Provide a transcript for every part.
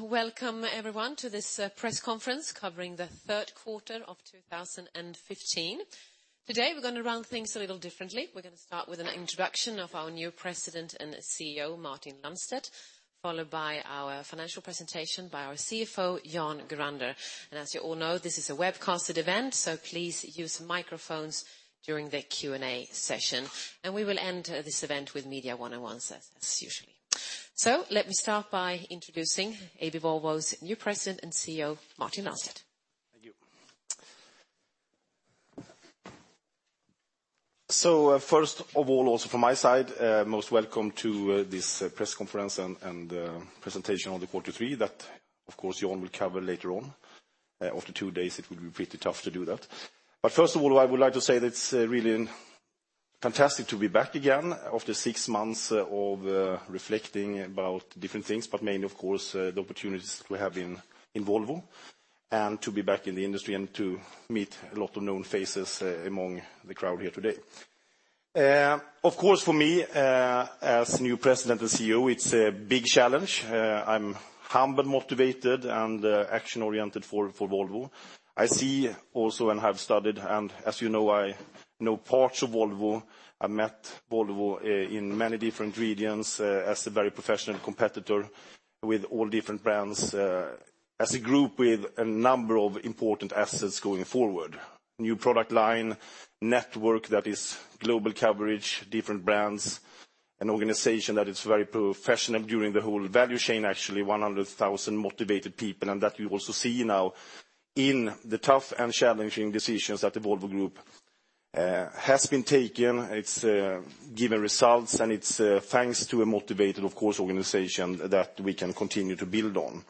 Welcome everyone to this press conference covering the third quarter of 2015. Today, we're going to run things a little differently. We're going to start with an introduction of our new President and CEO, Martin Lundstedt, followed by our financial presentation by our CFO, Jan Gurander. As you all know, this is a webcasted event, please use the microphones during the Q&A session. We will end this event with media one-on-ones as usually. Let me start by introducing AB Volvo's new President and CEO, Martin Lundstedt. Thank you. First of all, also from my side, most welcome to this press conference and presentation on the quarter three that, of course, Jan will cover later on. After two days, it will be pretty tough to do that. First of all, I would like to say that it's really fantastic to be back again after six months of reflecting about different things, mainly, of course, the opportunities we have in Volvo, to be back in the industry and to meet a lot of known faces among the crowd here today. Of course, for me, as new President and CEO, it's a big challenge. I'm humble, motivated, and action-oriented for Volvo. I see also and have studied, and as you know, I know parts of Volvo. I've met Volvo in many different regions as a very professional competitor with all different brands. As a group with a number of important assets going forward. New product line, network that is global coverage, different brands, an organization that is very professional during the whole value chain, actually 100,000 motivated people. That we also see now in the tough and challenging decisions that the Volvo Group has been taking. It's given results, and it's thanks to a motivated, of course, organization that we can continue to build on.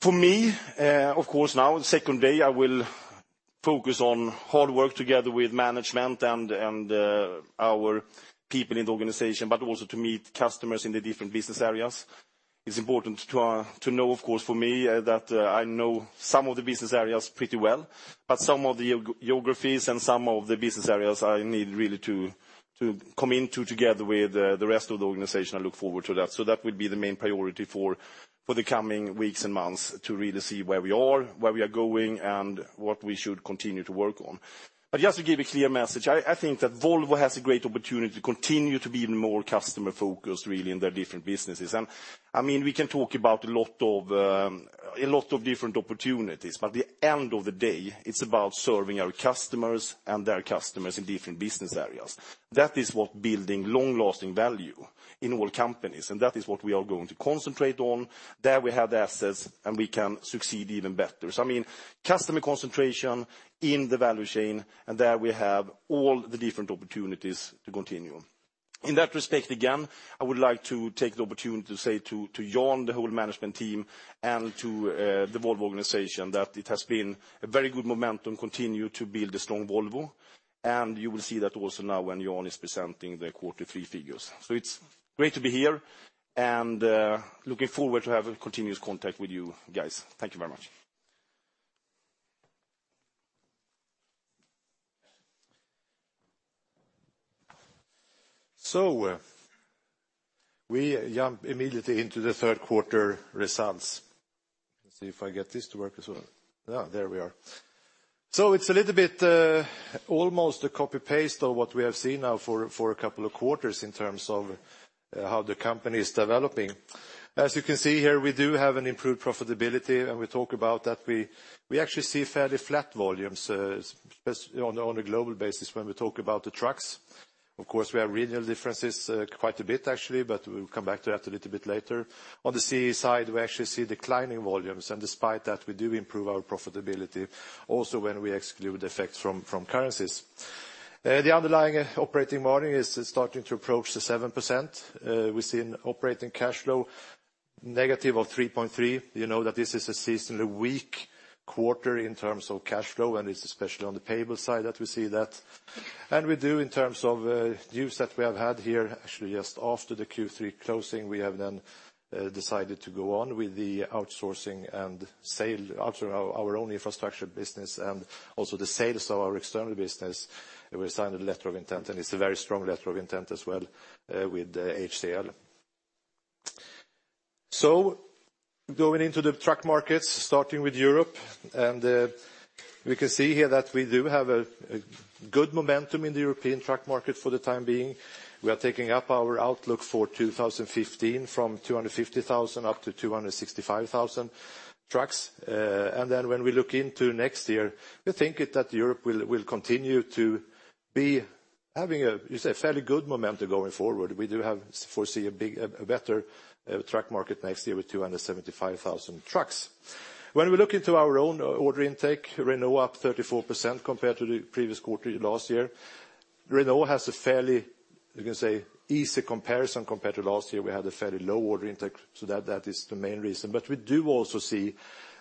For me, of course, now the second day, I will focus on hard work together with management and our people in the organization, also to meet customers in the different business areas. It's important to know, of course, for me, that I know some of the business areas pretty well, some of the geographies and some of the business areas I need really to come in too, together with the rest of the organization. I look forward to that. That would be the main priority for the coming weeks and months to really see where we are, where we are going, and what we should continue to work on. Just to give a clear message, I think that Volvo has a great opportunity to continue to be even more customer-focused, really, in their different businesses. We can talk about a lot of different opportunities, at the end of the day, it's about serving our customers and their customers in different business areas. That is what building long-lasting value in all companies, that is what we are going to concentrate on. There we have the assets, we can succeed even better. Customer concentration in the value chain, there we have all the different opportunities to continue. In that respect, again, I would like to take the opportunity to say to Jan, the whole management team, and to the Volvo organization, that it has been a very good momentum continue to build a strong Volvo, and you will see that also now when Jan is presenting the quarter three figures. It's great to be here and looking forward to have a continuous contact with you guys. Thank you very much. We jump immediately into the third quarter results. Let me see if I get this to work as well. Yeah, there we are. It's a little bit almost a copy-paste of what we have seen now for a couple of quarters in terms of how the company is developing. As you can see here, we do have an improved profitability, and we talk about that we actually see fairly flat volumes, on a global basis when we talk about the trucks. Of course, we have regional differences quite a bit, actually, but we'll come back to that a little bit later. On the CE side, we actually see declining volumes, and despite that, we do improve our profitability also when we exclude effects from currencies. The underlying operating margin is starting to approach the 7%. We see an operating cash flow negative of 3.3. You know that this is a seasonally weak quarter in terms of cash flow, and it's especially on the payable side that we see that. We do in terms of news that we have had here, actually, just after the Q3 closing, we have then decided to go on with the outsourcing and sale our own infrastructure business and also the sales of our external business. We signed a letter of intent, and it's a very strong letter of intent as well with HCL. Going into the truck markets, starting with Europe, we can see here that we do have a good momentum in the European truck market for the time being. We are taking up our outlook for 2015 from 250,000 up to 265,000 trucks. When we look into next year, we think that Europe will continue to be having a fairly good momentum going forward. We do foresee a better truck market next year with 275,000 trucks. When we look into our own order intake, Renault up 34% compared to the previous quarter last year. Renault has a fairly, you can say, easy comparison compared to last year. We had a fairly low order intake, that is the main reason. We do also see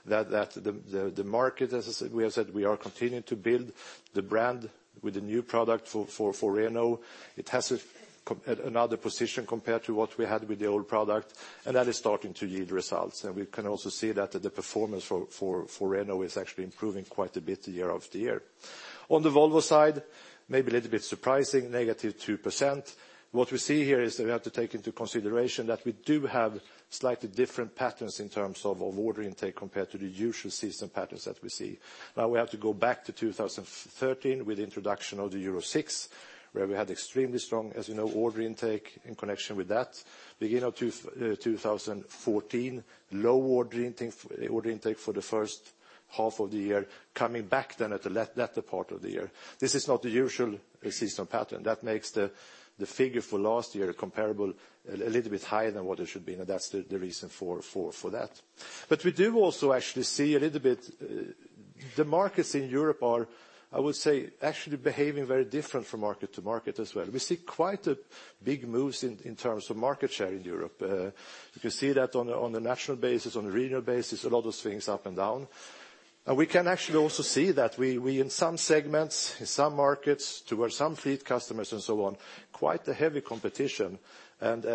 that the market, as we have said, we are continuing to build the brand with the new product for Renault. It has another position compared to what we had with the old product, and that is starting to yield results. We can also see that the performance for Renault is actually improving quite a bit year-over-year. On the Volvo side, maybe a little bit surprising, -2%. What we see here is that we have to take into consideration that we do have slightly different patterns in terms of order intake compared to the usual season patterns that we see. We have to go back to 2013 with the introduction of the Euro VI, where we had extremely strong, as you know, order intake in connection with that. Beginning of 2014, low order intake for the first half of the year, coming back then at the latter part of the year. This is not the usual season pattern. That makes the figure for last year comparable, a little bit higher than what it should be, and that's the reason for that. We do also actually see a little bit, the markets in Europe are, I would say, actually behaving very different from market to market as well. We see quite big moves in terms of market share in Europe. You can see that on a national basis, on a regional basis, a lot of things up and down. We can actually also see that we, in some segments, in some markets, towards some fleet customers and so on, quite a heavy competition, and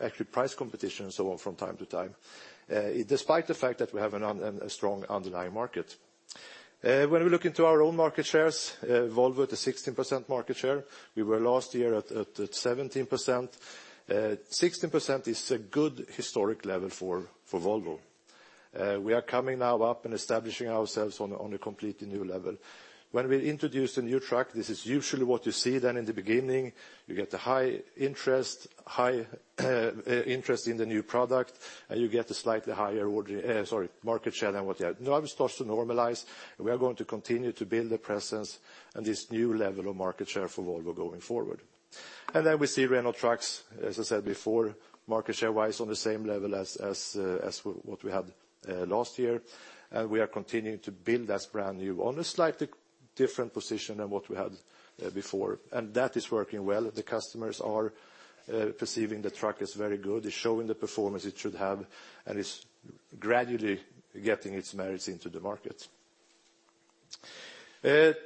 actually price competition and so on from time to time, despite the fact that we have a strong underlying market. When we look into our own market shares, Volvo at a 16% market share. We were, last year, at 17%. 16% is a good historic level for Volvo. We are coming now up and establishing ourselves on a completely new level. When we introduce a new truck, this is usually what you see then in the beginning. You get a high interest in the new product, and you get a slightly higher market share than what you have. It starts to normalize, and we are going to continue to build a presence and this new level of market share for Volvo going forward. We see Renault Trucks, as I said before, market share-wise on the same level as what we had last year. We are continuing to build as brand new on a slightly different position than what we had before, and that is working well. The customers are perceiving the truck as very good. It's showing the performance it should have, and it's gradually getting its merits into the market.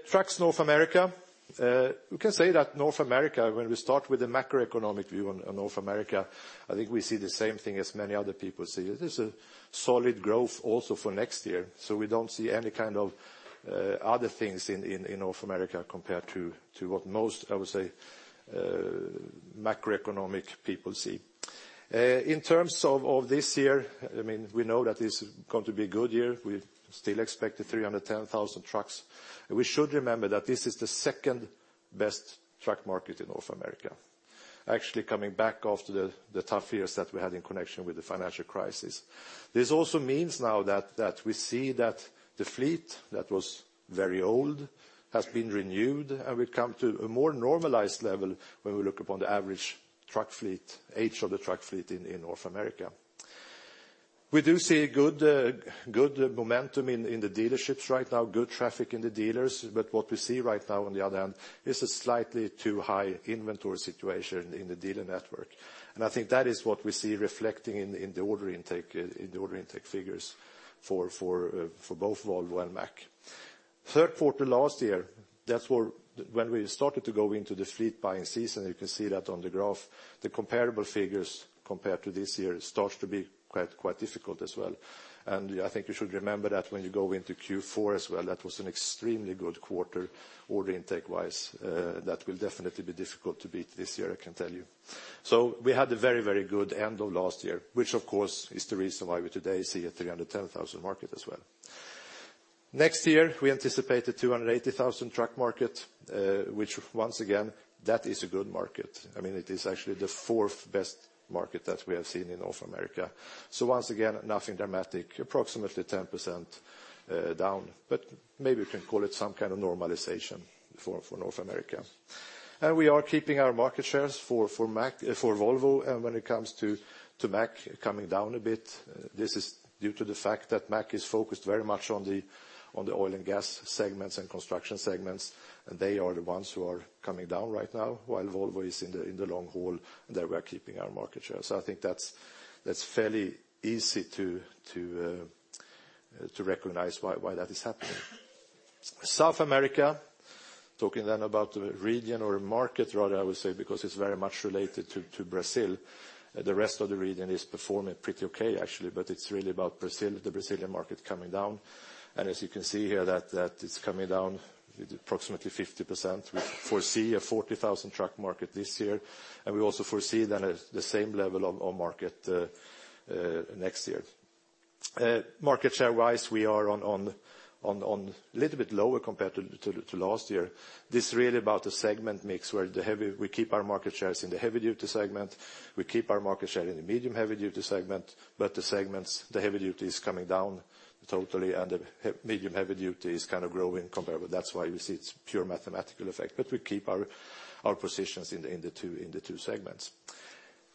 Trucks North America. We can say that North America, when we start with the macroeconomic view on North America, I think we see the same thing as many other people see. There's a solid growth also for next year, so we don't see any kind of other things in North America compared to what most, I would say, macroeconomic people see. In terms of this year, we know that it's going to be a good year. We still expect 310,000 trucks. We should remember that this is the second-best truck market in North America. Actually coming back after the tough years that we had in connection with the financial crisis. This also means now that we see that the fleet that was very old has been renewed, and we've come to a more normalized level when we look upon the average age of the truck fleet in North America. We do see good momentum in the dealerships right now, good traffic in the dealers. What we see right now on the other hand is a slightly too high inventory situation in the dealer network. I think that is what we see reflecting in the order intake figures for both Volvo and Mack. Third quarter last year, when we started to go into the fleet buying season, you can see that on the graph. The comparable figures compared to this year starts to be quite difficult as well. I think you should remember that when you go into Q4 as well, that was an extremely good quarter order intake wise. That will definitely be difficult to beat this year, I can tell you. We had a very good end of last year, which of course is the reason why we today see a 310,000 market as well. Next year, we anticipate a 280,000 truck market, which once again, that is a good market. It is actually the fourth best market that we have seen in North America. Once again, nothing dramatic, approximately 10% down, but maybe we can call it some kind of normalization for North America. We are keeping our market shares for Volvo, and when it comes to Mack, coming down a bit. This is due to the fact that Mack is focused very much on the oil and gas segments and construction segments, and they are the ones who are coming down right now, while Volvo is in the long haul, and there we are keeping our market share. I think that's fairly easy to recognize why that is happening. South America, talking then about the region or market rather, I would say, because it's very much related to Brazil. The rest of the region is performing pretty okay, actually, but it's really about the Brazilian market coming down. As you can see here, that it's coming down approximately 50%. We foresee a 40,000 truck market this year, and we also foresee then the same level of market next year. Market share-wise, we are on a little bit lower compared to last year. This is really about the segment mix where we keep our market shares in the heavy duty segment, we keep our market share in the medium heavy duty segment, the heavy duty is coming down totally and the medium heavy duty is kind of growing compared with that's why you see it's pure mathematical effect, but we keep our positions in the two segments.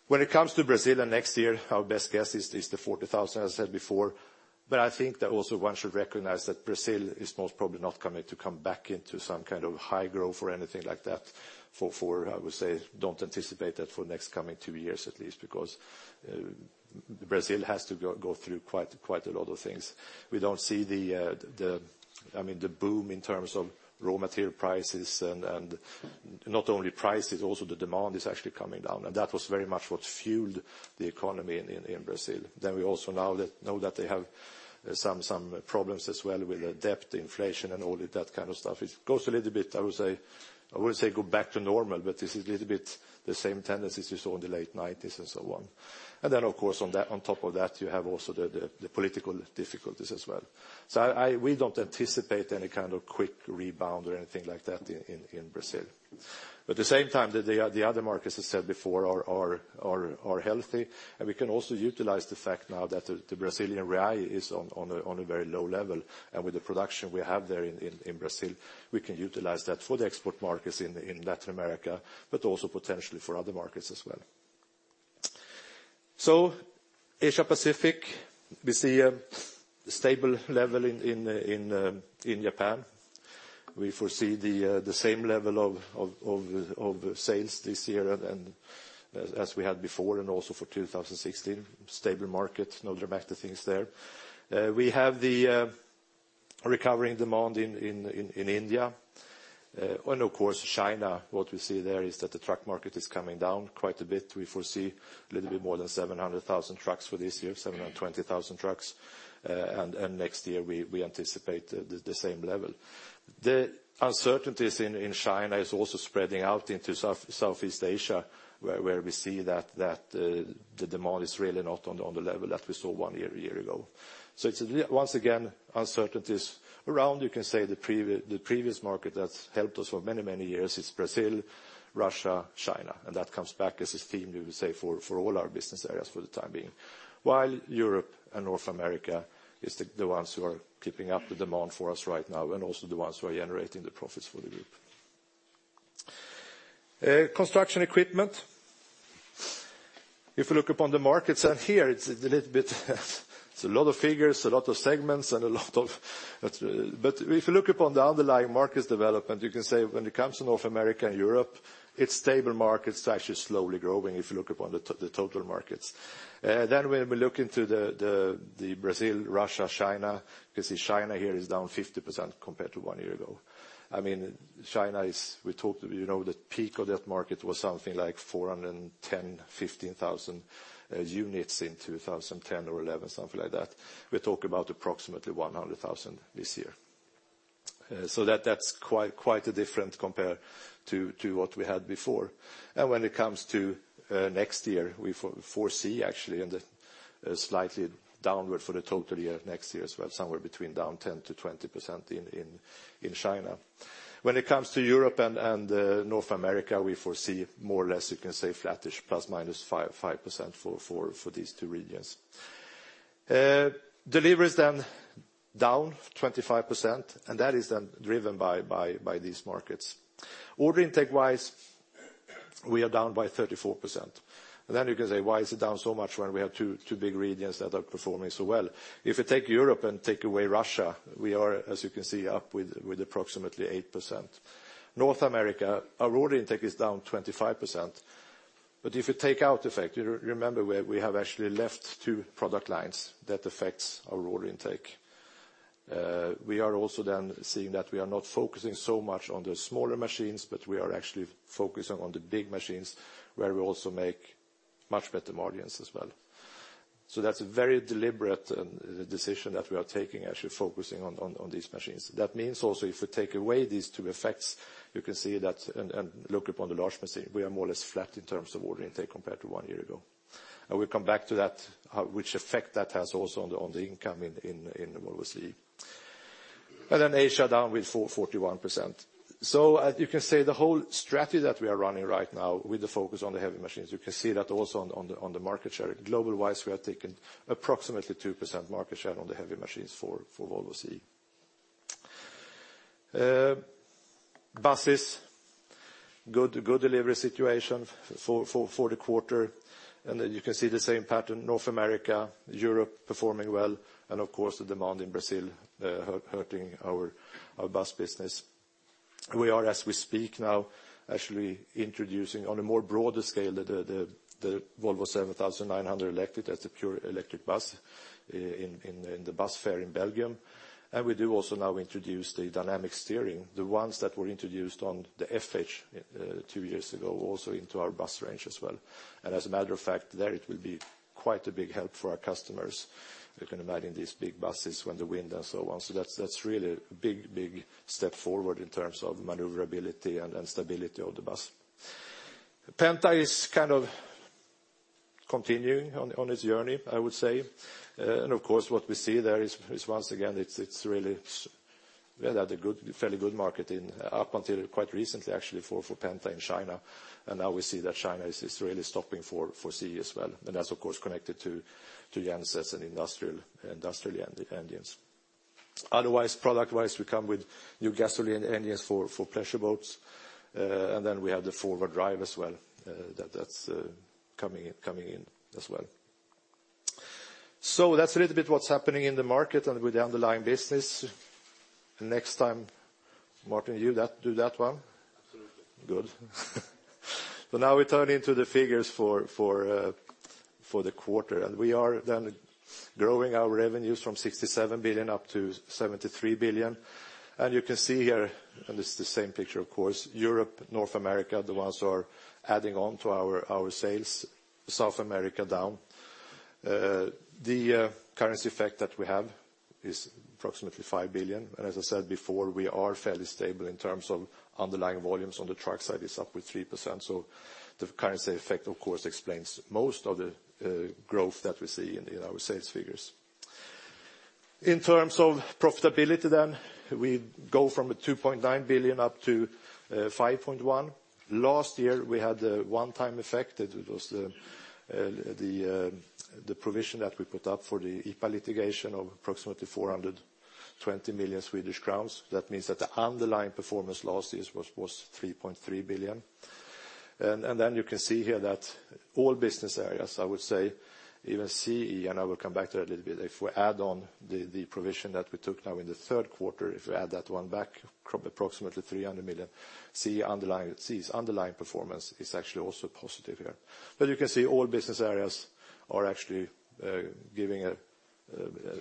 When it comes to Brazil next year, our best guess is the 40,000, as I said before. I think that also one should recognize that Brazil is most probably not going to come back into some kind of high growth or anything like that for, I would say, don't anticipate that for next coming two years at least, because Brazil has to go through quite a lot of things. We don't see the boom in terms of raw material prices. Not only price, also the demand is actually coming down. That was very much what fueled the economy in Brazil. We also now know that they have some problems as well with debt, inflation, and all that kind of stuff. It goes a little bit, I wouldn't say go back to normal, but this is a little bit the same tendencies you saw in the late 90s and so on. Then, of course, on top of that, you have also the political difficulties as well. We don't anticipate any kind of quick rebound or anything like that in Brazil. At the same time, the other markets, as I said before, are healthy. We can also utilize the fact now that the Brazilian real is on a very low level. With the production we have there in Brazil, we can utilize that for the export markets in Latin America, but also potentially for other markets as well. Asia Pacific, we see a stable level in Japan. We foresee the same level of sales this year as we had before and also for 2016. Stable market, no dramatic things there. We have the recovering demand in India. Of course, China, what we see there is that the truck market is coming down quite a bit. We foresee a little bit more than 700,000 trucks for this year, 720,000 trucks. Next year we anticipate the same level. The uncertainties in China is also spreading out into Southeast Asia, where we see that the demand is really not on the level that we saw one year ago. It's, once again, uncertainties around, you can say the previous market that's helped us for many years is Brazil, Russia, China. That comes back as a theme, we would say, for all our business areas for the time being. While Europe and North America is the ones who are keeping up the demand for us right now and also the ones who are generating the profits for the group. Construction equipment. If you look upon the markets, and here it's a lot of figures, a lot of segments. But if you look upon the underlying markets development, you can say when it comes to North America and Europe, it's stable markets, it's actually slowly growing if you look upon the total markets. When we look into the Brazil, Russia, China, you can see China here is down 50% compared to one year ago. China, the peak of that market was something like 410,000, 415,000 units in 2010 or 2011, something like that. We talk about approximately 100,000 this year. That's quite different compared to what we had before. When it comes to next year, we foresee, actually, slightly downward for the total year of next year as well, somewhere between down 10%-20% in China. When it comes to Europe and North America, we foresee more or less, you can say, flattish, ±5% for these two regions. Deliveries, down 25%, and that is then driven by these markets. Order intake-wise, we are down by 34%. You can say, "Why is it down so much when we have two big regions that are performing so well?" If you take Europe and take away Russia, we are, as you can see, up with approximately 8%. North America, our order intake is down 25%. If you take out effect, you remember we have actually left two product lines that affects our order intake. We are also then seeing that we are not focusing so much on the smaller machines, but we are actually focusing on the big machines, where we also make much better margins as well. That's a very deliberate decision that we are taking, actually focusing on these machines. That means also, if we take away these two effects, you can see that, and look upon the large machine, we are more or less flat in terms of order intake compared to one year ago. We'll come back to that, which effect that has also on the income in Volvo CE. Then Asia down with 41%. You can say the whole strategy that we are running right now with the focus on the heavy machines, you can see that also on the market share. Global-wise, we have taken approximately 2% market share on the heavy machines for Volvo CE. Buses, good delivery situation for the quarter. You can see the same pattern, North America, Europe performing well. Of course, the demand in Brazil hurting our bus business. We are, as we speak now, actually introducing on a more broader scale, the Volvo 7900 Electric. That's a pure electric bus in the bus fare in Belgium. We do also now introduce the Dynamic Steering, the ones that were introduced on the FH two years ago, also into our bus range as well. As a matter of fact, there it will be quite a big help for our customers. You can imagine these big buses when the wind and so on. That's really a big step forward in terms of maneuverability and stability of the bus. Penta is kind of continuing on its journey, I would say. Of course, what we see there is once again, we had a fairly good market up until quite recently, actually, for Penta in China. Now we see that China is really stopping for CE as well. That's of course connected to gensets and industrial engines. Otherwise, product-wise, we come with new gasoline engines for pleasure boats. Then we have the forward drive as well. That's coming in as well. That's a little bit what's happening in the market and with the underlying business. Next time, Martin, you do that one? Absolutely. Good. Now we turn into the figures for the quarter. We are then growing our revenues from 67 billion up to 73 billion. You can see here, this is the same picture, of course, Europe, North America, the ones who are adding on to our sales, South America down. The currency effect that we have is approximately 5 billion. As I said before, we are fairly stable in terms of underlying volumes. On the truck side it's up with 3%, the currency effect, of course, explains most of the growth that we see in our sales figures. In terms of profitability then, we go from 2.9 billion up to 5.1 billion. Last year, we had the one-time effect. It was the provision that we put up for the IPA litigation of approximately 420 million Swedish crowns. That means that the underlying performance last year was 3.3 billion. Then you can see here that all business areas, I would say even CE, I will come back to that a little bit. If we add on the provision that we took now in the third quarter, if we add that one back, approximately 300 million, CE's underlying performance is actually also positive here. You can see all business areas are actually giving a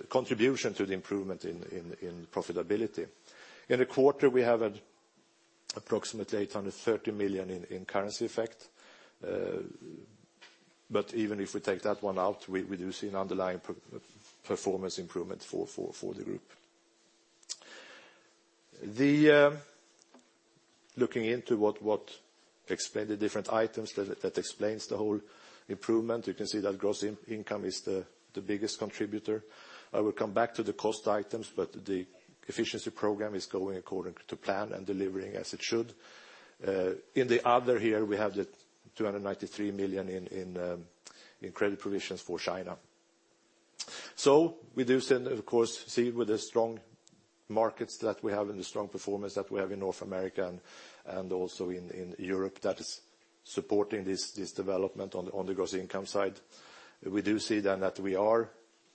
contribution to the improvement in profitability. In the quarter, we have approximately 830 million in currency effect. Even if we take that one out, we do see an underlying performance improvement for the group. Looking into what explain the different items that explains the whole improvement, you can see that gross income is the biggest contributor. I will come back to the cost items, but the efficiency program is going according to plan and delivering as it should. In the other here, we have the 293 million in credit provisions for China. We do of course see with the strong markets that we have and the strong performance that we have in North America and also in Europe that is supporting this development on the gross income side. We do see then that we are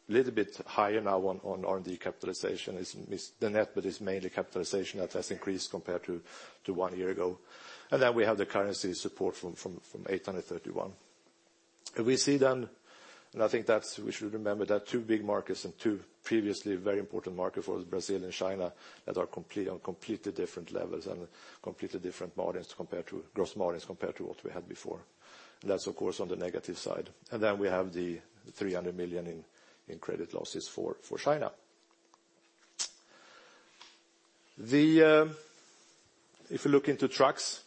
a little bit higher now on R&D capitalization. It's the net, but it's mainly capitalization that has increased compared to one year ago. Then we have the currency support from 831 million. We see then, I think we should remember that two big markets and two previously very important market for us, Brazil and China, that are on completely different levels and completely different margins compared to gross margins compared to what we had before. That's, of course, on the negative side. Then we have the 300 million in credit losses for China. If you look into trucks,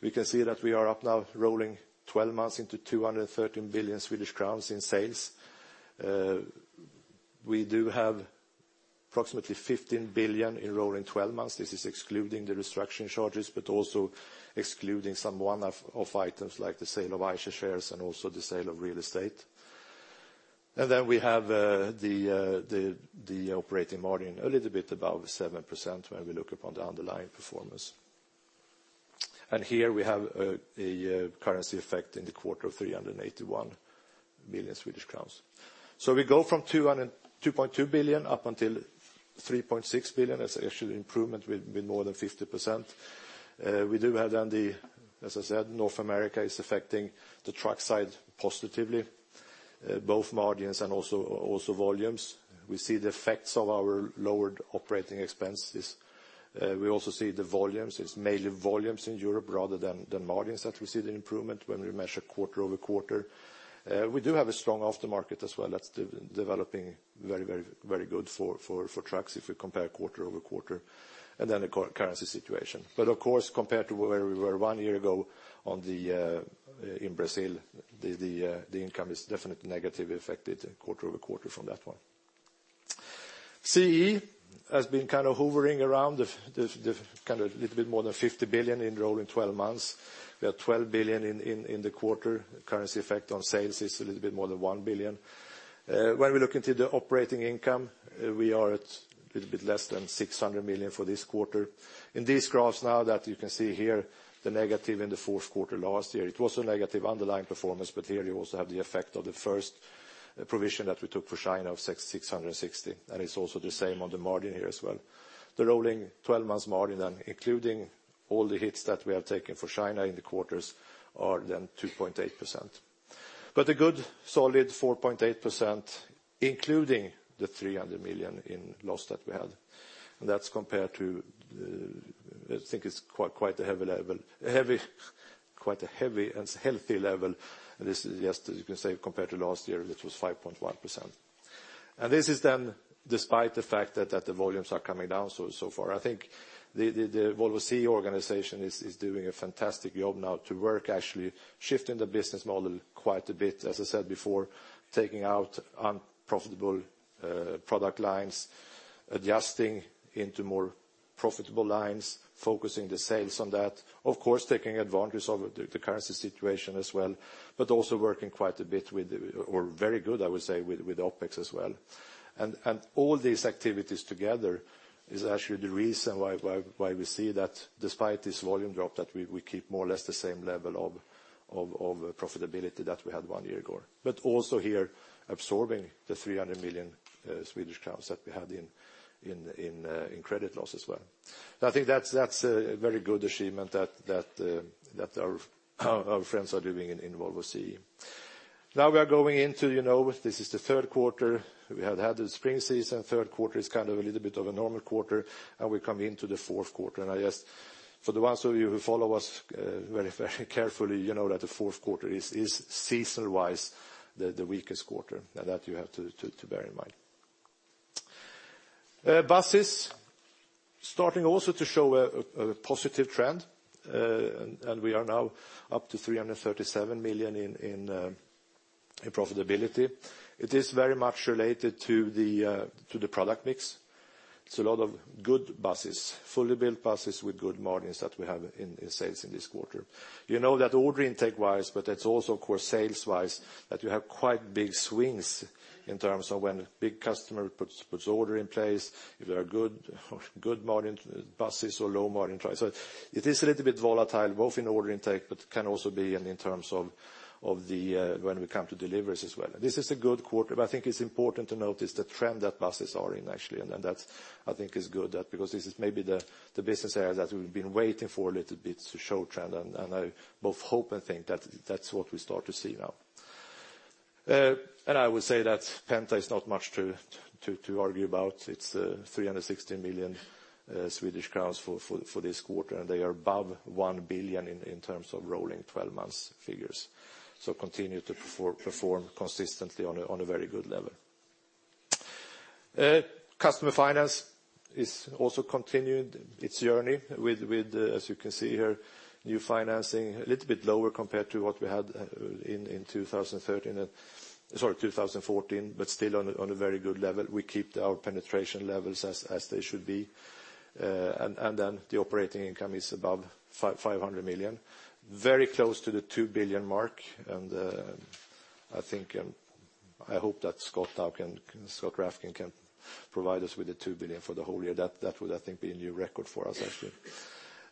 we can see that we are up now rolling 12 months into 213 billion Swedish crowns in sales. We do have approximately 15 billion in rolling 12 months. This is excluding the restructuring charges, but also excluding some one-off items like the sale of Eicher shares and also the sale of real estate. Then we have the operating margin, a little bit above 7% when we look upon the underlying performance. Here we have a currency effect in the quarter of 381 million Swedish crowns. We go from 2.2 billion up until 3.6 billion. That's actually improvement with more than 50%. We do have then, as I said, North America is affecting the truck side positively, both margins and also volumes. We see the effects of our lowered operating expenses. We also see the volumes. It's mainly volumes in Europe rather than margins that we see the improvement when we measure quarter-over-quarter. We do have a strong aftermarket as well. That's developing very good for trucks if we compare quarter-over-quarter, and then the currency situation. Of course, compared to where we were one year ago in Brazil, the income is definitely negatively affected quarter-over-quarter from that one. CE has been kind of hovering around a little bit more than 50 billion in rolling 12 months. We are 12 billion in the quarter. Currency effect on sales is a little bit more than 1 billion. When we look into the operating income, we are at a little bit less than 600 million for this quarter. In these graphs now that you can see here, the negative in the fourth quarter last year. It was a negative underlying performance, but here you also have the effect of the first provision that we took for China of 660, and it's also the same on the margin here as well. The rolling 12 months margin, including all the hits that we have taken for China in the quarters are then 2.8%. A good solid 4.8%, including the 300 million in loss that we had. That's compared to, I think it's quite a heavy level. Quite a heavy and healthy level. This is just, you can say, compared to last year, it was 5.1%. This is then despite the fact that the volumes are coming down so far. I think the Volvo CE organization is doing a fantastic job now to work actually shifting the business model quite a bit. As I said before, taking out unprofitable product lines, adjusting into more profitable lines, focusing the sales on that. Of course, taking advantage of the currency situation as well, but also working quite a bit with, or very good, I would say, with OpEx as well. All these activities together is actually the reason why we see that despite this volume drop, that we keep more or less the same level of profitability that we had one year ago. Also here, absorbing the 300 million Swedish crowns in credit loss as well. I think that's a very good achievement that our friends are doing in Volvo CE. Now we are going into, this is the third quarter. We have had the spring season, third quarter is a little bit of a normal quarter, and we come into the fourth quarter. I guess, for the ones who follow us very, very carefully, you know that the fourth quarter is season-wise the weakest quarter. Now that you have to bear in mind. Buses starting also to show a positive trend, and we are now up to 337 million in profitability. It is very much related to the product mix. It's a lot of good buses, fully built buses with good margins that we have in sales in this quarter. You know that order intake-wise, but that's also, of course, sales-wise, that you have quite big swings in terms of when big customer puts order in place. If they are good margin buses or low margin trucks. It is a little bit volatile, both in order intake, but can also be in terms of when we come to deliveries as well. This is a good quarter, but I think it's important to notice the trend that buses are in actually, and that I think is good. This is maybe the business area that we've been waiting for a little bit to show trend, and I both hope and think that that's what we start to see now. I would say that Penta is not much to argue about. It's 360 million Swedish crowns for this quarter, and they are above 1 billion in terms of rolling 12 months figures. Continue to perform consistently on a very good level. Customer finance is also continuing its journey with, as you can see here, new financing, a little bit lower compared to what we had in 2013, sorry, 2014, but still on a very good level. We keep our penetration levels as they should be. The operating income is above 500 million, very close to the 2 billion mark. I hope that Scott Rafkin can provide us with the 2 billion for the whole year. That would, I think, be a new record for us, actually.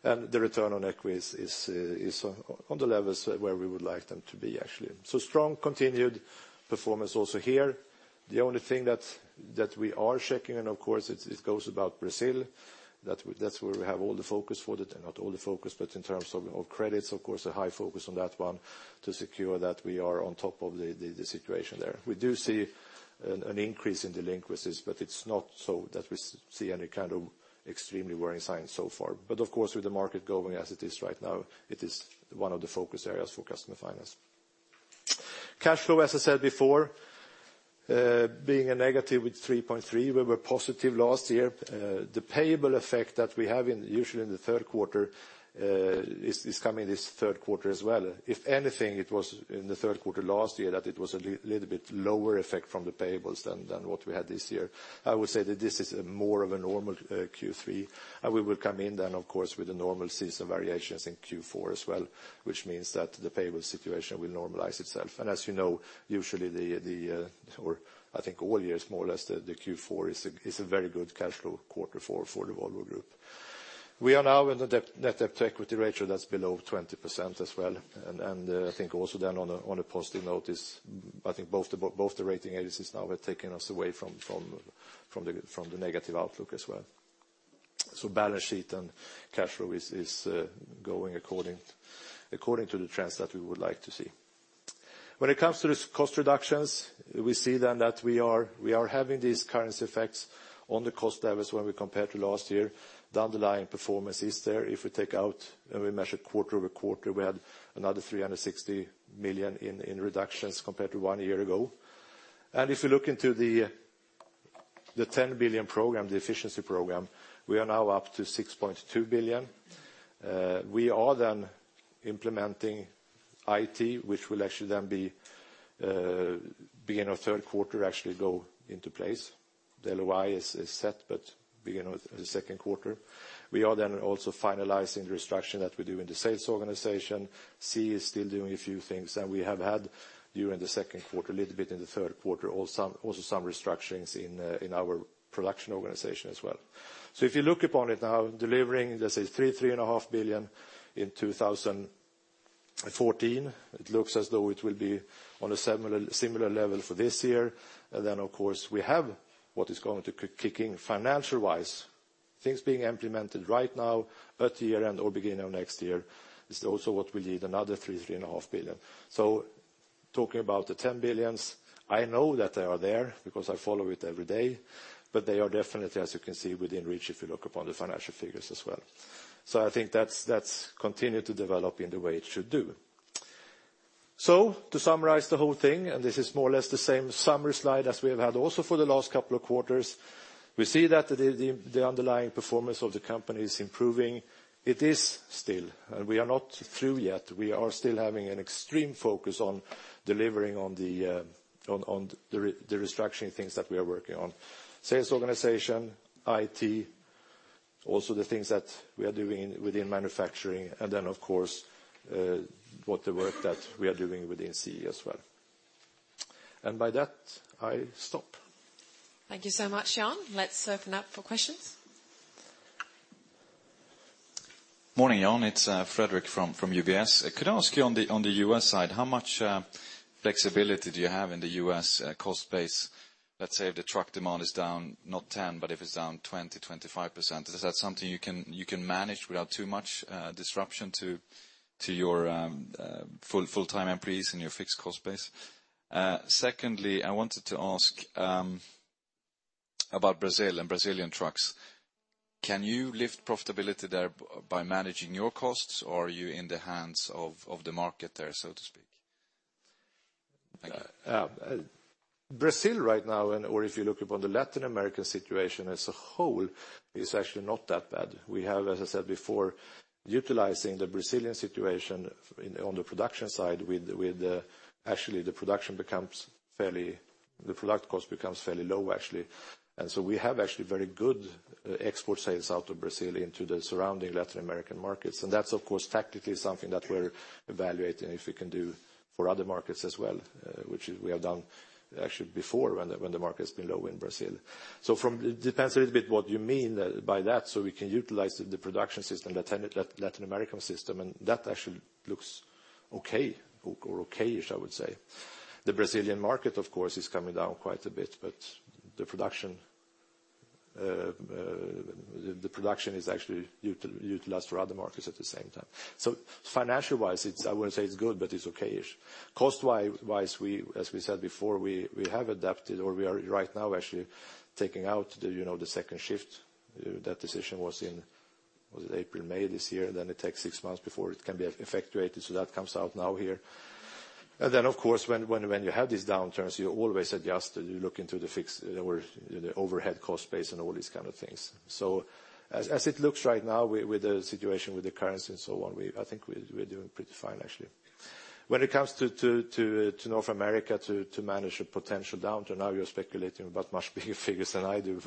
The return on equity is on the levels where we would like them to be, actually. Strong continued performance also here. The only thing that we are checking, of course, it goes about Brazil. That's where we have all the focus for it, not all the focus, but in terms of credits, of course, a high focus on that one to secure that we are on top of the situation there. We do see an increase in delinquencies, but it's not so that we see any kind of extremely worrying signs so far. Of course, with the market going as it is right now, it is one of the focus areas for customer finance. Cash flow, as I said before, being a negative with 3.3, we were positive last year. The payable effect that we have usually in the third quarter is coming this third quarter as well. If anything, it was in the third quarter last year that it was a little bit lower effect from the payables than what we had this year. I would say that this is more of a normal Q3, we will come in then, of course, with the normal season variations in Q4 as well, which means that the payable situation will normalize itself. As you know, usually the-- or I think all years, more or less, the Q4 is a very good cash flow quarter for the Volvo Group. We are now in the net debt equity ratio that's below 20% as well, I think also then on a positive note is, I think both the rating agencies now have taken us away from the negative outlook as well. Balance sheet and cash flow is going according to the trends that we would like to see. When it comes to cost reductions, we see then that we are having these currency effects on the cost levels when we compare to last year. The underlying performance is there. If we take out and we measure quarter-over-quarter, we had another 360 million in reductions compared to one year ago. If you look into the 10 billion program, the efficiency program, we are now up to 6.2 billion. We are then implementing IT, which will actually then, beginning of third quarter, actually go into place. The LOI is set, beginning of the second quarter. We are then also finalizing the restructuring that we do in the sales organization. CE is still doing a few things, we have had during the second quarter, a little bit in the third quarter, also some restructurings in our production organization as well. If you look upon it now, delivering 3 billion-3.5 billion in 2014, it looks as though it will be on a similar level for this year. Of course, we have what is going to kick in financial-wise. Things being implemented right now, at year-end or beginning of next year, is also what we need, another 3 billion-3.5 billion. Talking about the 10 billion, I know that they are there because I follow it every day, but they are definitely, as you can see, within reach if you look upon the financial figures as well. I think that's continued to develop in the way it should do. To summarize the whole thing, and this is more or less the same summary slide as we have had also for the last couple of quarters. We see that the underlying performance of the company is improving. It is still, and we are not through yet. We are still having an extreme focus on delivering on the restructuring things that we are working on. Sales organization, IT, also the things that we are doing within manufacturing, and then, of course, what the work that we are doing within CE as well. By that, I stop. Thank you so much, Jan. Let's open up for questions. Morning, Jan. It's Frederick from UBS. Could I ask you on the U.S. side, how much flexibility do you have in the U.S. cost base? Let's say if the truck demand is down, not 10%, but if it's down 20%, 25%, is that something you can manage without too much disruption to your full-time employees and your fixed cost base? Secondly, I wanted to ask about Brazil and Brazilian trucks. Can you lift profitability there by managing your costs, or are you in the hands of the market there, so to speak? Thank you. Brazil right now, or if you look upon the Latin American situation as a whole, is actually not that bad. We have, as I said before, utilizing the Brazilian situation on the production side, the product cost becomes fairly low, actually. We have actually very good export sales out of Brazil into the surrounding Latin American markets. That's, of course, tactically something that we're evaluating if we can do for other markets as well, which we have done actually before when the market's been low in Brazil. It depends a little bit what you mean by that. We can utilize the production system, Latin American system, and that actually looks okay or okay-ish, I would say. The Brazilian market, of course, is coming down quite a bit. The production is actually utilized for other markets at the same time. Financial-wise, I wouldn't say it's good, but it's okay-ish. Cost-wise, as we said before, we have adapted or we are right now actually taking out the second shift. That decision was in, was it April, May this year? It takes six months before it can be effectuated. That comes out now here. Of course, when you have these downturns, you always adjust, you look into the fixed or the overhead cost base and all these kind of things. As it looks right now with the situation with the currency and so on, I think we're doing pretty fine, actually. When it comes to North America to manage a potential downturn, now you're speculating about much bigger figures than I do.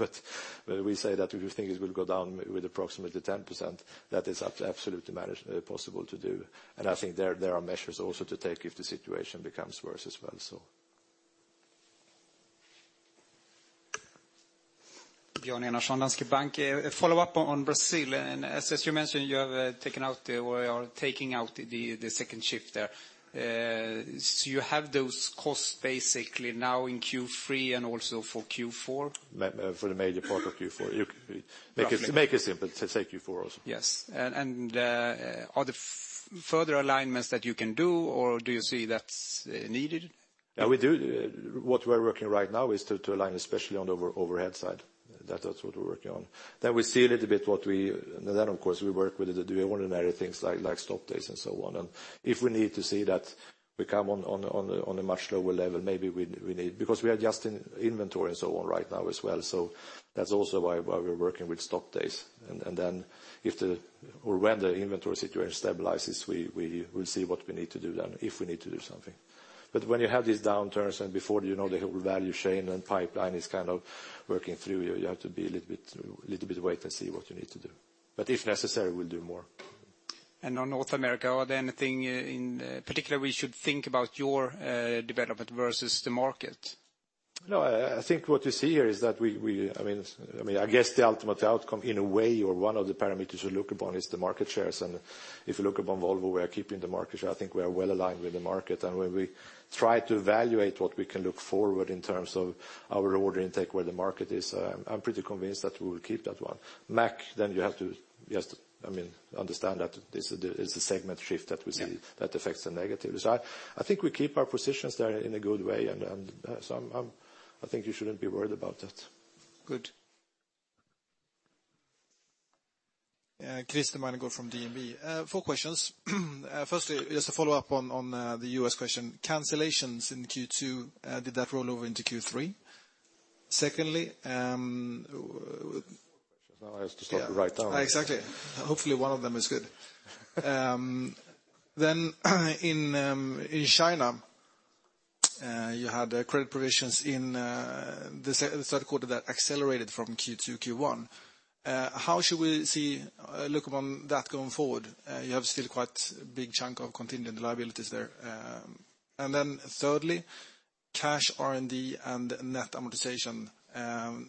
We say that if you think it will go down with approximately 10%, that is absolutely possible to do. I think there are measures also to take if the situation becomes worse as well. Jan Enarsson, Danske Bank. A follow-up on Brazil. As you mentioned, you have taken out or you are taking out the second shift there. You have those costs basically now in Q3 and also for Q4? For the major part of Q4. To make it simple, say Q4 also. Yes, are there further alignments that you can do or do you see that's needed? What we're working right now is to align especially on the overhead side. That's what we're working on. Of course we work with the ordinary things like stock days and so on. If we need to see that we come on a much lower level, because we are adjusting inventory and so on right now as well. That's also why we're working with stock days. When the inventory situation stabilizes, we'll see what we need to do then, if we need to do something. When you have these downturns and before the whole value chain and pipeline is kind of working through, you have to be a little bit wait and see what you need to do. If necessary, we'll do more. On North America, are there anything in particular we should think about your development versus the market? I think what you see here is that, I guess the ultimate outcome in a way or one of the parameters you look upon is the market shares. If you look upon Volvo, we are keeping the market share. I think we are well aligned with the market. When we try to evaluate what we can look forward in terms of our order intake where the market is, I'm pretty convinced that we will keep that one. Mack, you have to just understand that this is a segment shift that we see that affects the negative. I think we keep our positions there in a good way, I think you shouldn't be worried about that. Good. Christian Malmgren from DNB. Four questions. Firstly, just to follow up on the U.S. question, cancellations in Q2, did that roll over into Q3? Secondly- I have to start to write down. Exactly. Hopefully one of them is good. In China, you had credit provisions in the third quarter that accelerated from Q2, Q1. How should we look upon that going forward? You have still quite a big chunk of contingent liabilities there. Thirdly, cash R&D and net amortization.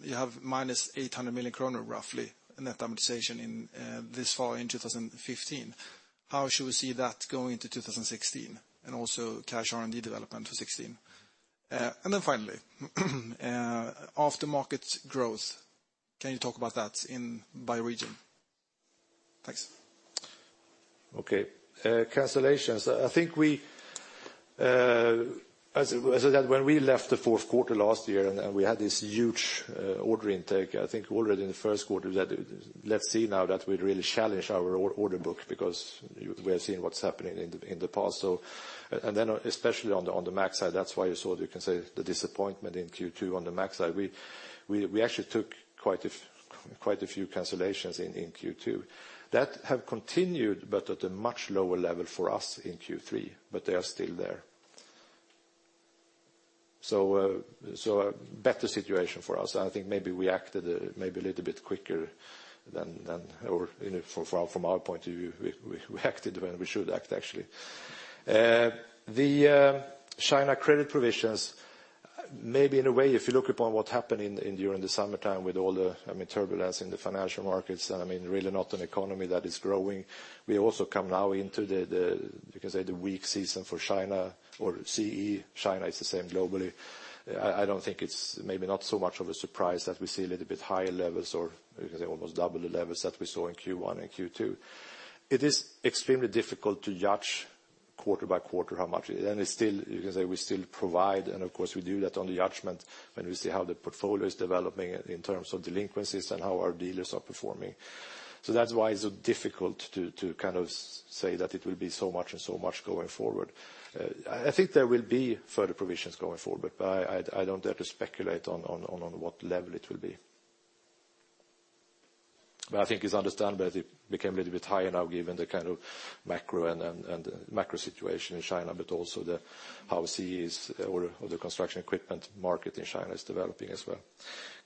You have minus 800 million kronor, roughly, net amortization this far in 2015. How should we see that going into 2016? Also cash R&D development for 2016. Finally, after market growth, can you talk about that by region? Thanks. Okay. Cancellations. I think as I said, when we left the fourth quarter last year and we had this huge order intake, I think already in the first quarter, let's see now that we really challenge our order book because we are seeing what's happening in the past. Especially on the Mack side, that's why you saw, you can say, the disappointment in Q2 on the Mack side. We actually took quite a few cancellations in Q2. That have continued, but at a much lower level for us in Q3, but they are still there. A better situation for us. I think maybe we acted maybe a little bit quicker, from our point of view, we acted when we should act, actually. The China credit provisions. Maybe in a way, if you look upon what happened during the summertime with all the turbulence in the financial markets, and really not an economy that is growing. We also come now into the, you can say, the weak season for China or CE. China is the same globally. I don't think it's maybe not so much of a surprise that we see a little bit higher levels or, you can say, almost double the levels that we saw in Q1 and Q2. It is extremely difficult to judge quarter by quarter how much. You can say we still provide, and of course we do that on the judgment when we see how the portfolio is developing in terms of delinquencies and how our dealers are performing. That's why it's difficult to say that it will be so much and so much going forward. I think there will be further provisions going forward, but I don't dare to speculate on what level it will be. I think it's understandable it became a little bit higher now given the kind of macro situation in China, but also how CE or the construction equipment market in China is developing as well.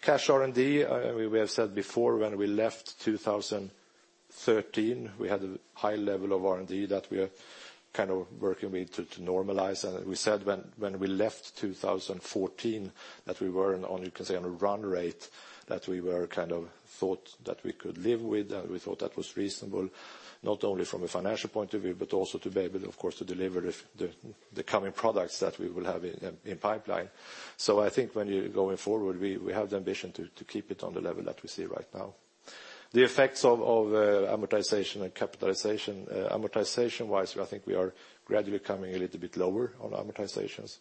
Cash R&D, we have said before when we left 2013, we had a high level of R&D that we are working with to normalize. We said when we left 2014 that we were on, you can say, on a run rate that we were kind of thought that we could live with, and we thought that was reasonable, not only from a financial point of view, but also to be able, of course, to deliver the coming products that we will have in pipeline. I think when you're going forward, we have the ambition to keep it on the level that we see right now. The effects of amortization and capitalization. Amortization-wise, I think we are gradually coming a little bit lower on amortizations.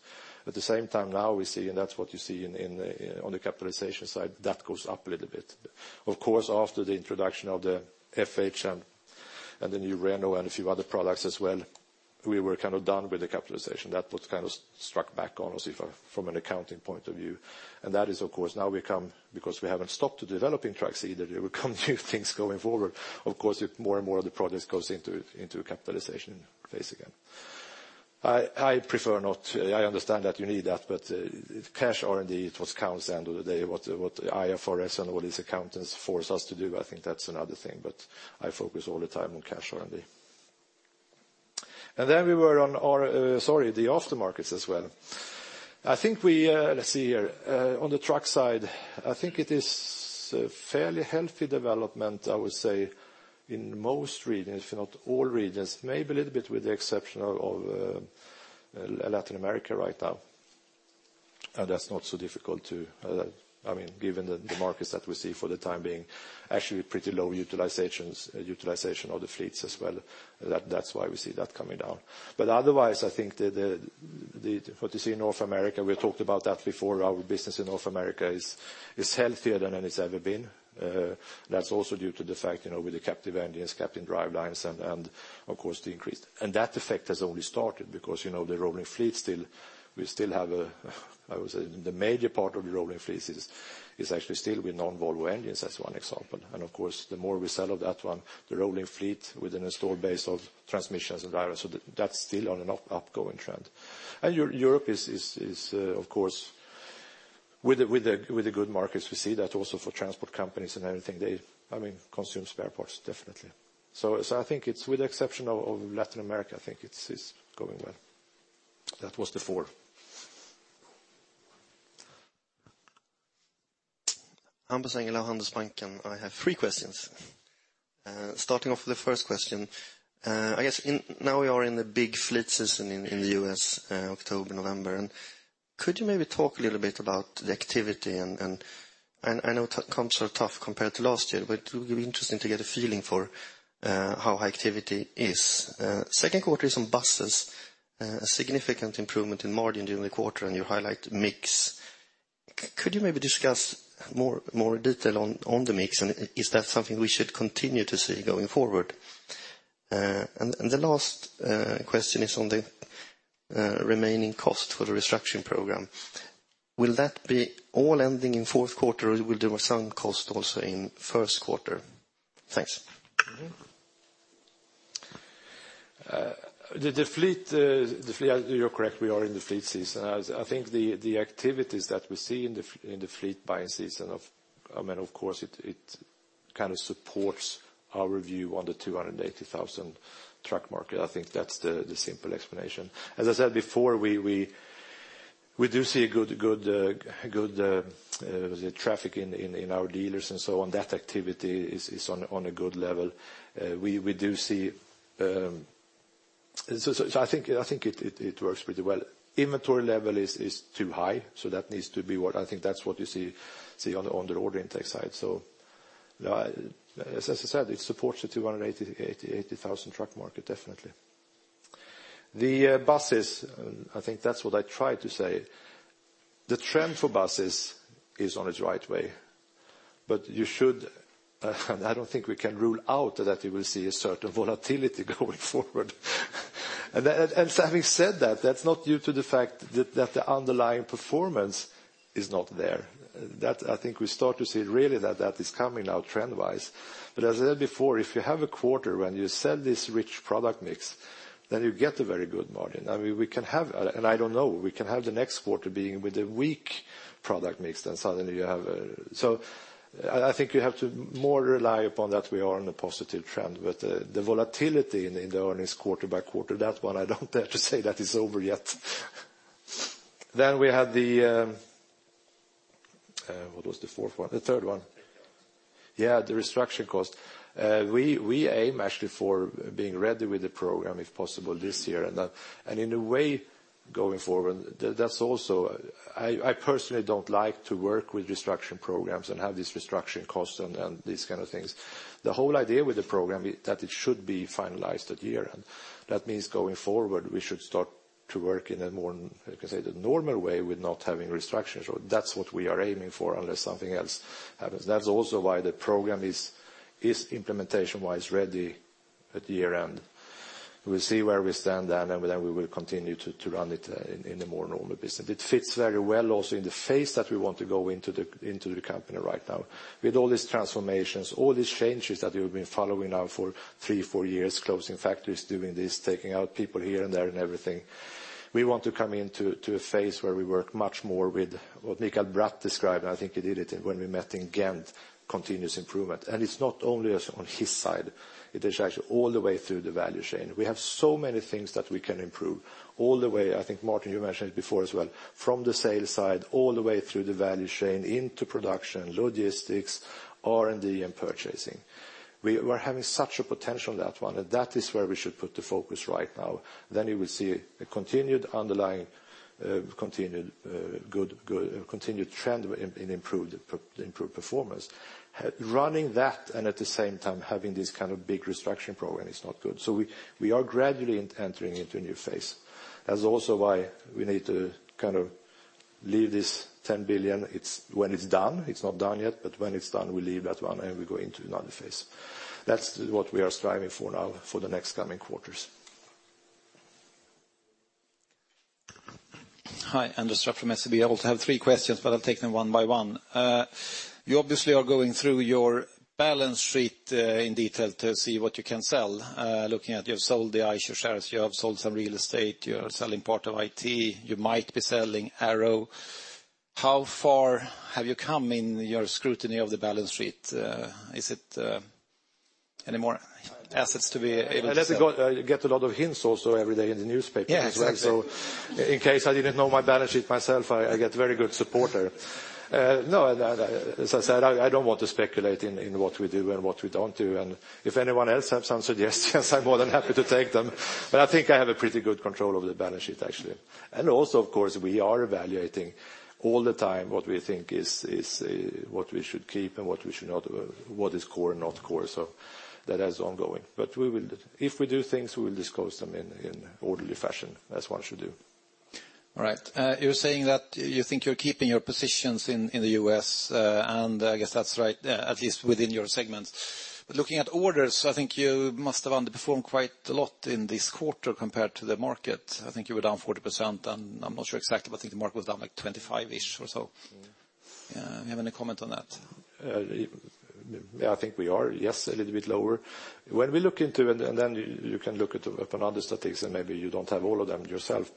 At the same time now we see, and that's what you see on the capitalization side, that goes up a little bit. Of course, after the introduction of the FH and the new Renault and a few other products as well, we were kind of done with the capitalization. That was kind of struck back on us from an accounting point of view. That is, of course, now we come because we haven't stopped developing trucks either. There will come new things going forward. Of course, more and more of the products goes into capitalization phase again. I prefer not to. I understand that you need that, but cash R&D, it was counts end of the day what IFRS and all these accountants force us to do. I think that's another thing, but I focus all the time on cash R&D. Then we were on our, sorry, the aftermarkets as well. I think we, let's see here, on the truck side, I think it is a fairly healthy development, I would say, in most regions, if not all regions, maybe a little bit with the exception of Latin America right now. That's not so difficult to, given the markets that we see for the time being, actually pretty low utilizations, utilization of the fleets as well. That's why we see that coming down. Otherwise, I think that what you see in North America, we talked about that before. Our business in North America is healthier than it's ever been. That's also due to the fact, with the captive engines, captive drivelines, and of course the increased. That effect has only started because the rolling fleet still, we still have, I would say, the major part of the rolling fleet is actually still with non-Volvo engines, as one example. Of course, the more we sell of that one, the rolling fleet with an installed base of transmissions and drivers, so that's still on an upgoing trend. Europe is, of course, with the good markets, we see that also for transport companies and everything, they consume spare parts definitely. I think it's with the exception of Latin America, I think it's going well. That was the four. Hampus Engellau, Handelsbanken. I have three questions. Starting off with the first question. I guess now we are in the big fleet season in the U.S., October, November. Could you maybe talk a little bit about the activity and, I know comps are tough compared to last year, but it would be interesting to get a feeling for how high activity is. Second quarter is on buses, a significant improvement in margin during the quarter, and you highlight mix. Could you maybe discuss more detail on the mix, and is that something we should continue to see going forward? The last question is on the remaining cost for the restructuring program. Will that be all ending in fourth quarter or will there be some cost also in first quarter? Thanks. You're correct, we are in the fleet season. I think the activities that we see in the fleet buying season supports our view on the 280,000 truck market. I think that's the simple explanation. I said before, we do see a good traffic in our dealers and so on. That activity is on a good level. I think it works pretty well. Inventory level is too high, that needs to be, I think that's what you see on the order intake side. As I said, it supports the 280,000 truck market, definitely. The buses, I think that's what I tried to say. The trend for buses is on its right way. You should, I don't think we can rule out that we will see a certain volatility going forward. Having said that's not due to the fact that the underlying performance is not there. That I think we start to see really that that is coming now trend-wise. As I said before, if you have a quarter when you sell this rich product mix, then you get a very good margin. We can have, and I don't know, we can have the next quarter being with a weak product mix. I think you have to more rely upon that we are on a positive trend. The volatility in the earnings quarter by quarter, that one I don't dare to say that is over yet. We had the What was the fourth one? The third one. The restructure cost. We aim, actually, for being ready with the program, if possible, this year. In a way, going forward, I personally don't like to work with restructuring programs and have these restructuring costs and these kind of things. The whole idea with the program, that it should be finalized at year-end. That means going forward, we should start to work in a more, you can say, the normal way with not having restructures. That's what we are aiming for, unless something else happens. That's also why the program is implementation-wise ready at the year-end. We'll see where we stand then, we will continue to run it in a more normal basis. It fits very well also in the phase that we want to go into the company right now. With all these transformations, all these changes that you've been following now for three, four years, closing factories, doing this, taking out people here and there and everything. We want to come into a phase where we work much more with what Michael Bratt described, and I think he did it when we met in Ghent, continuous improvement. It's not only on his side, it is actually all the way through the value chain. We have so many things that we can improve all the way, I think, Martin, you mentioned it before as well, from the sales side, all the way through the value chain into production, logistics, R&D, and purchasing. We're having such a potential in that one, and that is where we should put the focus right now. You will see a continued underlying, continued trend in improved performance. Running that, at the same time, having this kind of big restructuring program is not good. We are gradually entering into a new phase. That's also why we need to leave this 10 billion when it's done. It's not done yet, but when it's done, we leave that one, and we go into another phase. That's what we are striving for now for the next coming quarters. Hi, Anders Frick from SEB. I'll take them one by one. You obviously are going through your balance sheet in detail to see what you can sell. Looking at you have sold the Eicher shares, you have sold some real estate, you are selling part of IT, you might be selling Arrow. How far have you come in your scrutiny of the balance sheet? Is it any more assets to be able to sell? I get a lot of hints also every day in the newspaper as well. Yeah, exactly. In case I didn't know my balance sheet myself, I get very good support there. No, as I said, I don't want to speculate in what we do and what we don't do. If anyone else has some suggestions, I'm more than happy to take them. I think I have a pretty good control over the balance sheet, actually. Also, of course, we are evaluating all the time what we think what we should keep and what we should not, what is core and not core. That is ongoing. If we do things, we will disclose them in orderly fashion, as one should do. All right. You're saying that you think you're keeping your positions in the U.S., I guess that's right, at least within your segments. Looking at orders, I think you must have underperformed quite a lot in this quarter compared to the market. I think you were down 40%. I'm not sure exactly, but I think the market was down like 25-ish or so. You have any comment on that? I think we are, yes, a little bit lower. When we look into it, then you can look at other statistics, maybe you don't have all of them yourself.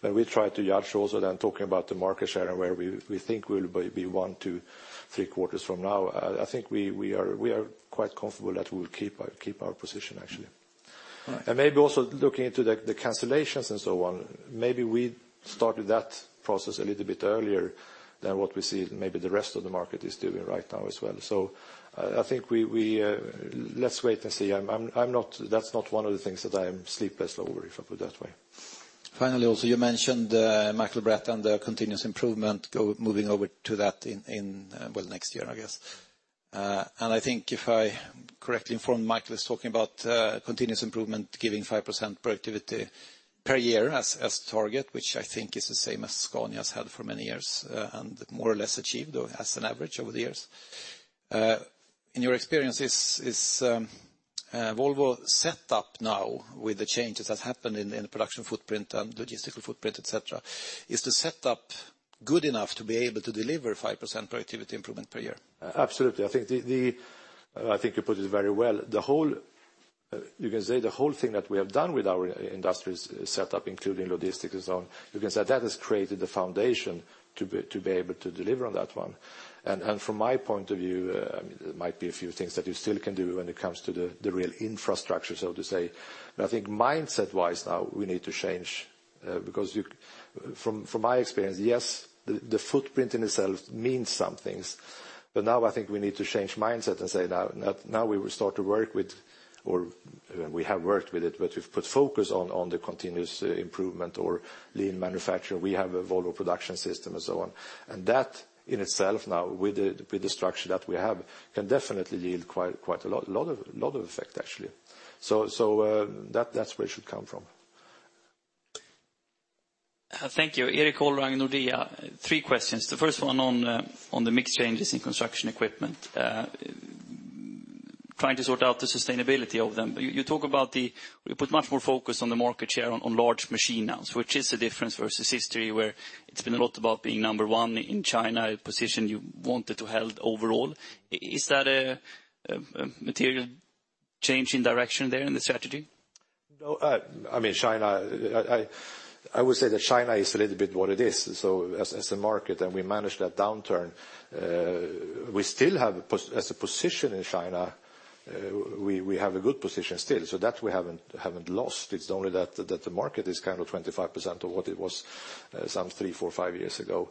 When we try to judge also then talking about the market share and where we think we'll be one to three quarters from now, I think we are quite comfortable that we will keep our position, actually. All right. Maybe also looking into the cancellations and so on, maybe we started that process a little bit earlier than what we see maybe the rest of the market is doing right now as well. I think, let's wait and see. That's not one of the things that I am sleepless over, if I put it that way. Finally, also, you mentioned Michael Bratt and the continuous improvement, moving over to that in, well, next year, I guess. I think if I correctly informed, Michael is talking about continuous improvement, giving 5% productivity per year as target, which I think is the same as Scania's had for many years, and more or less achieved as an average over the years. In your experience, is Volvo set up now with the changes that happened in the production footprint and logistical footprint, et cetera? Is the set up good enough to be able to deliver 5% productivity improvement per year? Absolutely. I think you put it very well. You can say the whole thing that we have done with our industries set up, including logistics and so on, you can say that has created the foundation to be able to deliver on that one. From my point of view, there might be a few things that you still can do when it comes to the real infrastructure, so to say. I think mindset-wise now, we need to change, because from my experience, yes, the footprint in itself means some things. Now I think we need to change mindset and say now we will start to work with, or we have worked with it, but we've put focus on the continuous improvement or lean manufacture. We have a Volvo Production System and so on. That in itself now, with the structure that we have, can definitely yield quite a lot of effect, actually. That's where it should come from. Thank you. Erik Holmberg, Nordea. Three questions. The first one on the mix changes in construction equipment. You put much more focus on the market share on large machine now, which is the difference versus history, where it's been a lot about being number one in China, a position you wanted to held overall. Is that a material change in direction there in the strategy? I would say that China is a little bit what it is as a market, we managed that downturn. We still have a position in China. We have a good position still. That we haven't lost. It's only that the market is kind of 25% of what it was some three, four, five years ago.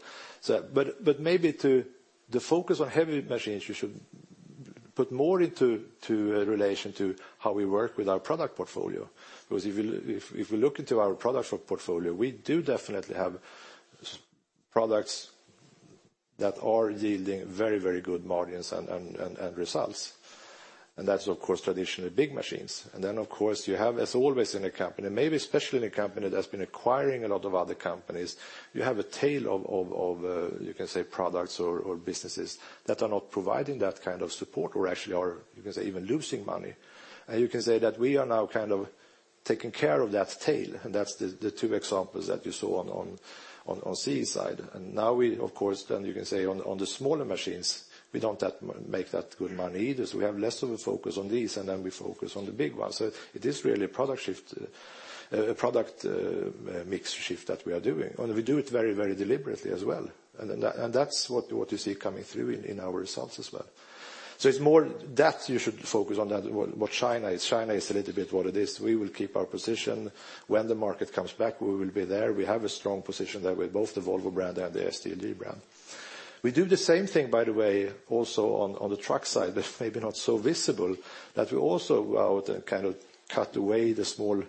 Maybe the focus on heavy machines, you should put more into relation to how we work with our product portfolio. If we look into our product portfolio, we do definitely have products that are yielding very good margins and results, and that's, of course, traditionally big machines. As always in a company, maybe especially in a company that's been acquiring a lot of other companies, you have a tail of, you can say, products or businesses that are not providing that kind of support or actually are even losing money. You can say that we are now taking care of that tail, and that's the two examples that you saw on CE side. Now we, of course, you can say on the smaller machines, we don't make that good money either. We have less of a focus on these, and we focus on the big ones. It is really a product mix shift that we are doing, and we do it very deliberately as well. That's what you see coming through in our results as well. It's more that you should focus on that. What China is, China is a little bit what it is. We will keep our position. When the market comes back, we will be there. We have a strong position there with both the Volvo brand and the SDLG brand. We do the same thing, by the way, also on the truck side, that's maybe not so visible, that we also go out and cut away the small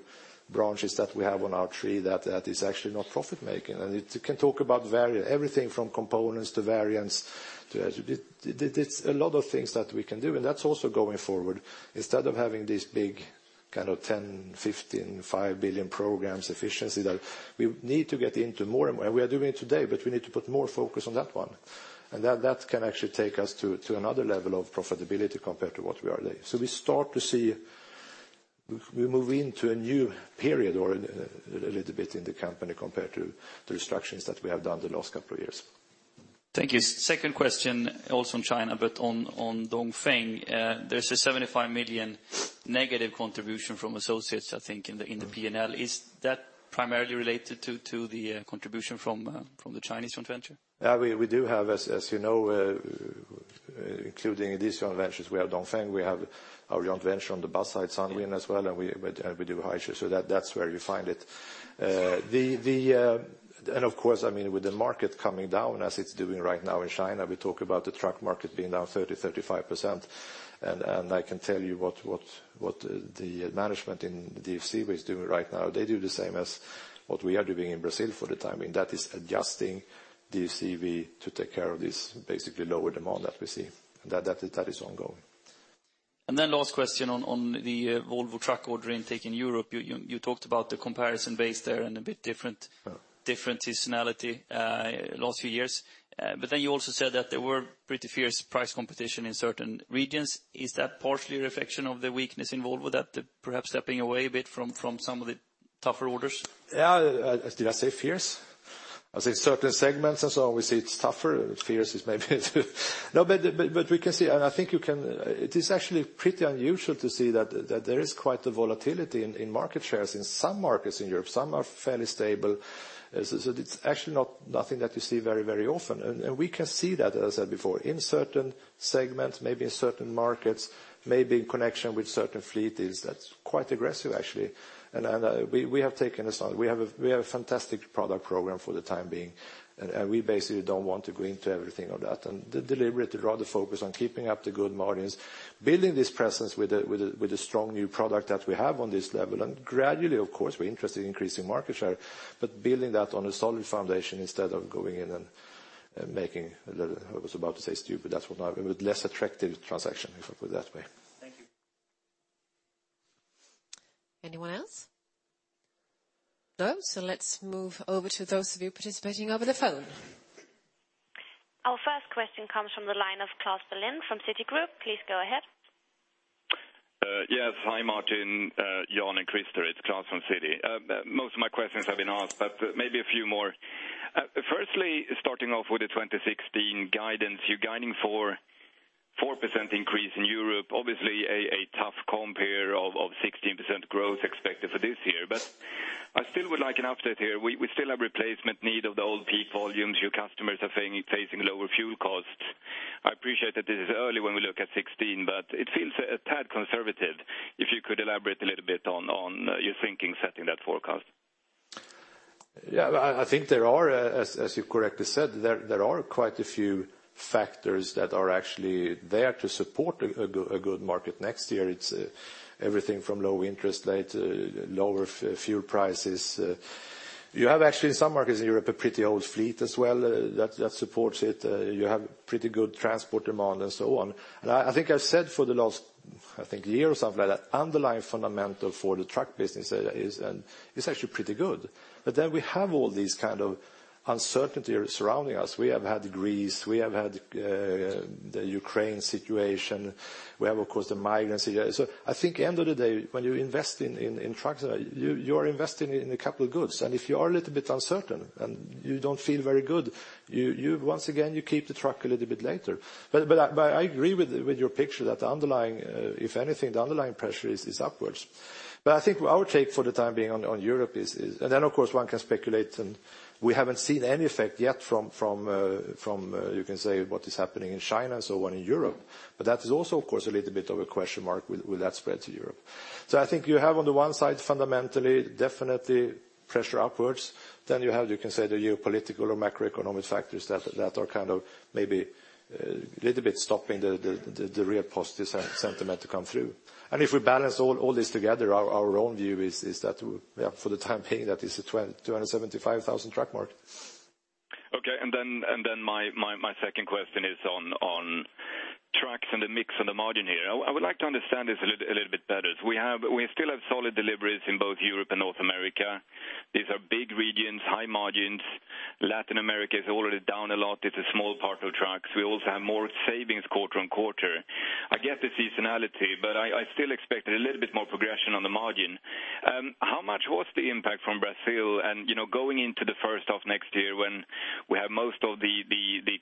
branches that we have on our tree that is actually not profit making. You can talk about everything from components to variants. There's a lot of things that we can do, and that's also going forward. Instead of having these big, kind of 10, 15, five billion programs efficiency that we need to get into more, we are doing it today, we need to put more focus on that one. That can actually take us to another level of profitability compared to what we are today. We start to see we move into a new period, or a little bit in the company compared to the restructures that we have done the last couple of years. Thank you. Second question, also on China, but on Dongfeng. There is a 75 million negative contribution from associates, I think, in the P&L. Is that primarily related to the contribution from the Chinese joint venture? Yeah, we do have, as you know, including these joint ventures, we have Dongfeng, we have our joint venture on the bus side, Sunwin as well, and we do Haisha. That is where you find it. Of course, with the market coming down as it is doing right now in China, we talk about the truck market being down 30%-35%. I can tell you what the management in the DFCV is doing right now. They do the same as what we are doing in Brazil for the time being. That is adjusting DFCV to take care of this basically lower demand that we see. That is ongoing. Last question on the Volvo truck order intake in Europe. You talked about the comparison base there and a bit different seasonality last few years. You also said that there were pretty fierce price competition in certain regions. Is that partially a reflection of the weakness in Volvo, that perhaps stepping away a bit from some of the tougher orders? Yeah. Did I say fierce? I said certain segments and so on. We see it's tougher. No, but we can see, and I think it is actually pretty unusual to see that there is quite the volatility in market shares in some markets in Europe. Some are fairly stable. It's actually nothing that you see very often. We can see that, as I said before, in certain segments, maybe in certain markets, maybe in connection with certain fleet, is that's quite aggressive, actually. We have taken a stand. We have a fantastic product program for the time being, and we basically don't want to go into everything of that. Deliberately rather focus on keeping up the good margins, building this presence with a strong new product that we have on this level. Gradually, of course, we're interested in increasing market share, but building that on a solid foundation instead of going in and making, I was about to say stupid, but less attractive transaction, if I put it that way. Thank you. Anyone else? Let's move over to those of you participating over the phone. Our first question comes from the line of Klas Bergelind from Citigroup. Please go ahead. Yes. Hi, Martin, Jan, and Christer. It's Klas from Citi. Most of my questions have been asked, maybe a few more. Firstly, starting off with the 2016 guidance. You're guiding for 4% increase in Europe. Obviously, a tough compare of 16% growth expected for this year. I still would like an update here. We still have replacement need of the old peak volumes. Your customers are facing lower fuel costs. I appreciate that this is early when we look at 2016, but it feels a tad conservative. If you could elaborate a little bit on your thinking setting that forecast. Yeah. I think there are, as you correctly said, there are quite a few factors that are actually there to support a good market next year. It's everything from low interest rates, lower fuel prices. You have actually in some markets in Europe, a pretty old fleet as well that supports it. You have pretty good transport demand and so on. I think I've said for the last I think a year or something like that, underlying fundamental for the truck business is actually pretty good. We have all these kind of uncertainty surrounding us. We have had Greece, we have had the Ukraine situation. We have, of course, the migrants. I think end of the day, when you invest in trucks, you are investing in a couple of goods. If you are a little bit uncertain, and you don't feel very good, once again, you keep the truck a little bit later. I agree with your picture that, if anything, the underlying pressure is upwards. I think our take for the time being on Europe is. Of course, one can speculate, we haven't seen any effect yet from, you can say, what is happening in China and so on in Europe. That is also, of course, a little bit of a question mark. Will that spread to Europe? I think you have on the one side, fundamentally, definitely pressure upwards. You have, you can say the geopolitical or macroeconomic factors that are kind of maybe a little bit stopping the real positive sentiment to come through. If we balance all this together, our own view is that, for the time being, that is a 275,000 truck market. Okay. My second question is on trucks and the mix and the margin here. I would like to understand this a little bit better. We still have solid deliveries in both Europe and North America. These are big regions, high margins. Latin America is already down a lot. It's a small part of trucks. We also have more savings quarter-on-quarter. I get the seasonality, but I still expected a little bit more progression on the margin. How much was the impact from Brazil? Going into the first half next year when we have most of the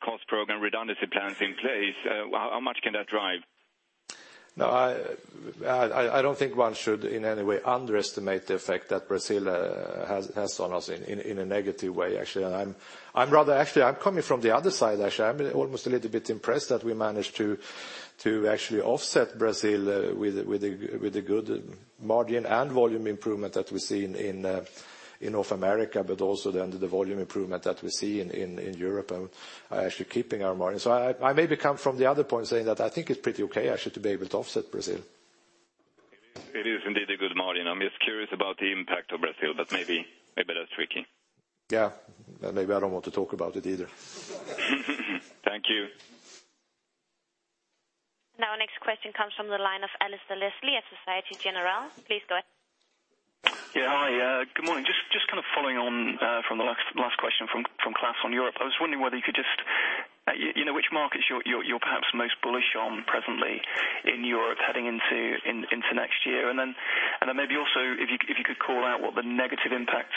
cost program redundancy plans in place, how much can that drive? No, I don't think one should in any way underestimate the effect that Brazil has on us in a negative way, actually. Actually, I'm coming from the other side, actually. I'm almost a little bit impressed that we managed to actually offset Brazil with the good margin and volume improvement that we see in North America, but also then the volume improvement that we see in Europe and actually keeping our margin. I maybe come from the other point saying that I think it's pretty okay, actually, to be able to offset Brazil. It is indeed a good margin. I'm just curious about the impact of Brazil, but maybe that's tricky. Yeah. Maybe I don't want to talk about it either. Thank you. Our next question comes from the line of Alistair Leslie at Societe Generale. Please go ahead. Yeah. Hi, good morning. Just following on from the last question from Klas on Europe, I was wondering whether you could, which markets you are perhaps most bullish on presently in Europe heading into next year? Maybe also if you could call out what the negative impact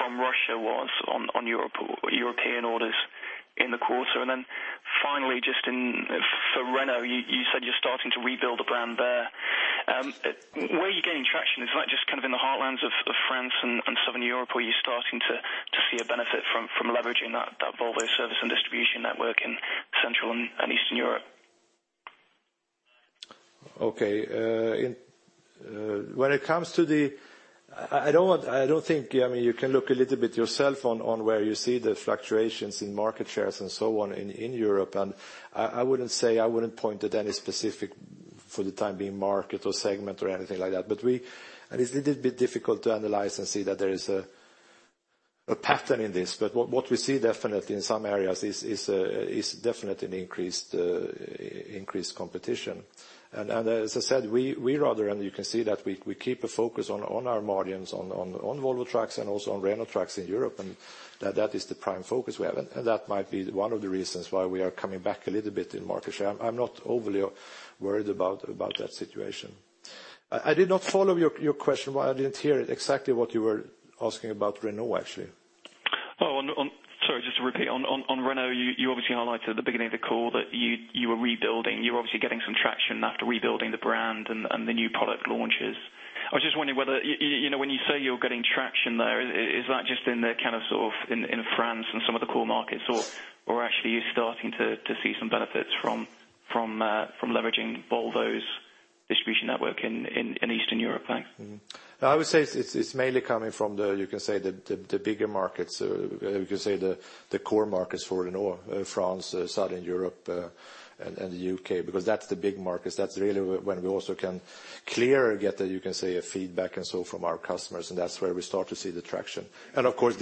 from Russia was on European orders in the quarter. Finally, just for Renault, you said you're starting to rebuild the brand there. Where are you getting traction? Is that just in the heartlands of France and Southern Europe? Or are you starting to see a benefit from leveraging that Volvo service and distribution network in Central and Eastern Europe? Okay. I mean, you can look a little bit yourself on where you see the fluctuations in market shares and so on in Europe. I wouldn't point at any specific, for the time being, market or segment or anything like that. It's a little bit difficult to analyze and see that there is a pattern in this. What we see definitely in some areas is definitely an increased competition. As I said, we rather, and you can see that we keep a focus on our margins on Volvo Trucks and also on Renault Trucks in Europe, and that is the prime focus we have. That might be one of the reasons why we are coming back a little bit in market share. I'm not overly worried about that situation. I did not follow your question. I didn't hear exactly what you were asking about Renault, actually. Oh, sorry, just to repeat, on Renault, you obviously highlighted at the beginning of the call that you were rebuilding. You were obviously getting some traction after rebuilding the brand and the new product launches. I was just wondering whether, when you say you're getting traction there, is that just in France and some of the core markets, or actually are you starting to see some benefits from leveraging Volvo's distribution network in Eastern Europe, thanks. I would say it's mainly coming from the, you can say the bigger markets, you could say the core markets for Renault, France, Southern Europe, and the U.K., because that's the big markets. That's really when we also can clearer get a feedback and so from our customers. That's where we start to see the traction. Of course,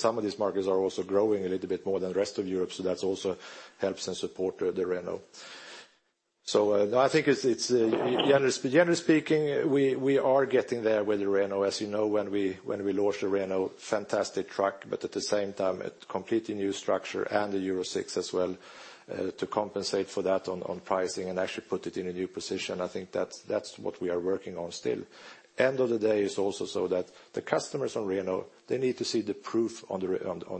some of these markets are also growing a little bit more than the rest of Europe, so that also helps and support the Renault. I think generally speaking, we are getting there with the Renault. As you know, when we launched the Renault, fantastic truck, but at the same time, a completely new structure and the Euro VI as well to compensate for that on pricing and actually put it in a new position. I think that's what we are working on still. End of the day, it's also so that the customers on Renault, they need to see the proof on the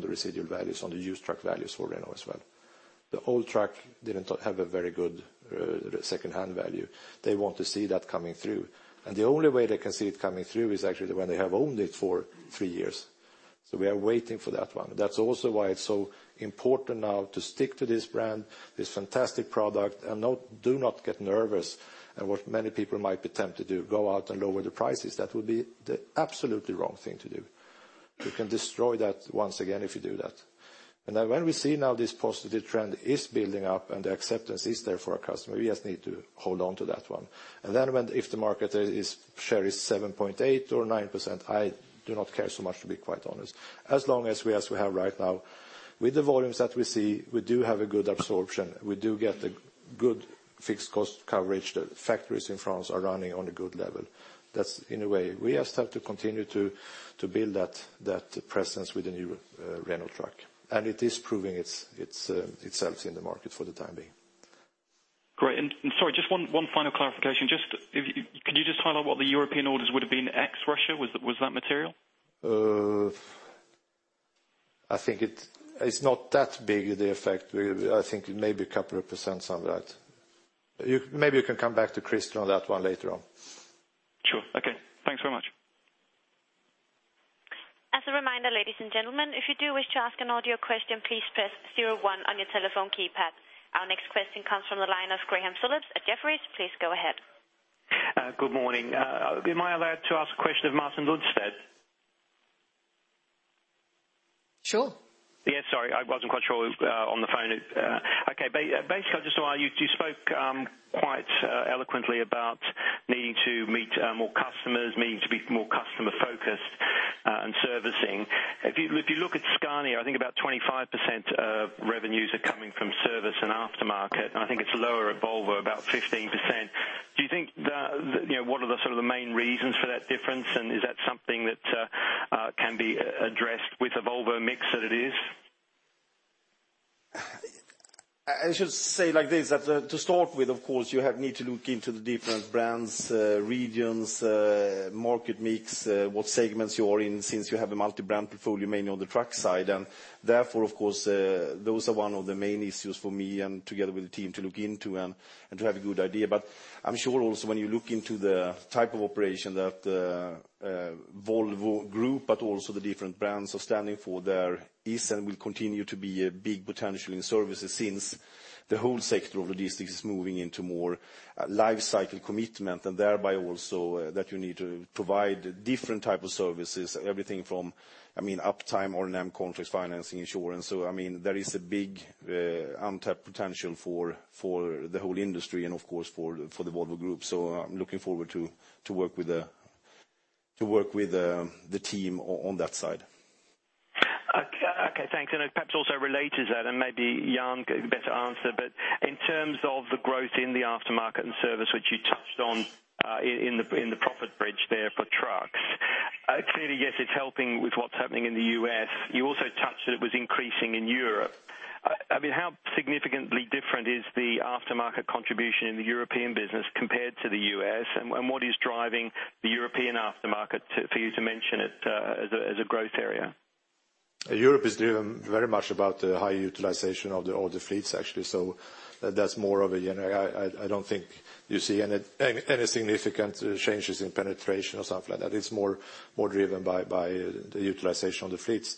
residual values, on the used truck values for Renault as well. The old truck didn't have a very good secondhand value. They want to see that coming through. The only way they can see it coming through is actually when they have owned it for three years. We are waiting for that one. That's also why it's so important now to stick to this brand, this fantastic product, and do not get nervous at what many people might be tempted to do, go out and lower the prices. That would be the absolutely wrong thing to do. You can destroy that once again if you do that. When we see now this positive trend is building up and the acceptance is there for our customer, we just need to hold on to that one. If the market share is 7.8% or 9%, I do not care so much, to be quite honest. As long as we have right now, with the volumes that we see, we do have a good absorption. We do get a good fixed cost coverage. The factories in France are running on a good level. That's in a way, we just have to continue to build that presence with the new Renault truck. It is proving itself in the market for the time being. Great. Sorry, just one final clarification. Can you just highlight what the European orders would have been ex-Russia? Was that material? I think it's not that big, the effect. I think it may be a couple of percent on that. Maybe you can come back to Christian on that one later on. Sure. Okay. Thanks very much. As a reminder, ladies and gentlemen, if you do wish to ask an audio question, please press 01 on your telephone keypad. Our next question comes from the line of Graham Phillips at Jefferies. Please go ahead. Good morning. Am I allowed to ask a question of Martin Lundstedt? Sure. Yeah, sorry. I wasn't quite sure on the phone. Okay. You spoke quite eloquently about needing to meet more customers, needing to be more customer-focused on servicing. If you look at Scania, I think about 25% of revenues are coming from service and aftermarket, and I think it's lower at Volvo, about 15%. What are the sort of the main reasons for that difference, and is that something that can be addressed with the Volvo mix that it is? Therefore, of course, those are one of the main issues for me and together with the team to look into and to have a good idea. I'm sure also when you look into the type of operation that Volvo Group, but also the different brands are standing for, there is and will continue to be a big potential in services since the whole sector of logistics is moving into more life cycle commitment, and thereby also that you need to provide different type of services, everything from uptime or NAM contracts, financing, insurance. There is a big untapped potential for the whole industry and of course, for the Volvo Group. I'm looking forward to work with the team on that side. Okay, thanks. Perhaps also related to that and maybe Jan can better answer, in terms of the growth in the aftermarket and service, which you touched on in the profit bridge there for trucks. Clearly, yes, it's helping with what's happening in the U.S. You also touched that it was increasing in Europe. How significantly different is the aftermarket contribution in the European business compared to the U.S., and what is driving the European aftermarket for you to mention it as a growth area? Europe is driven very much about the high utilization of the older fleets, actually. That's more of a I don't think you see any significant changes in penetration or something like that. It's more driven by the utilization of the fleets.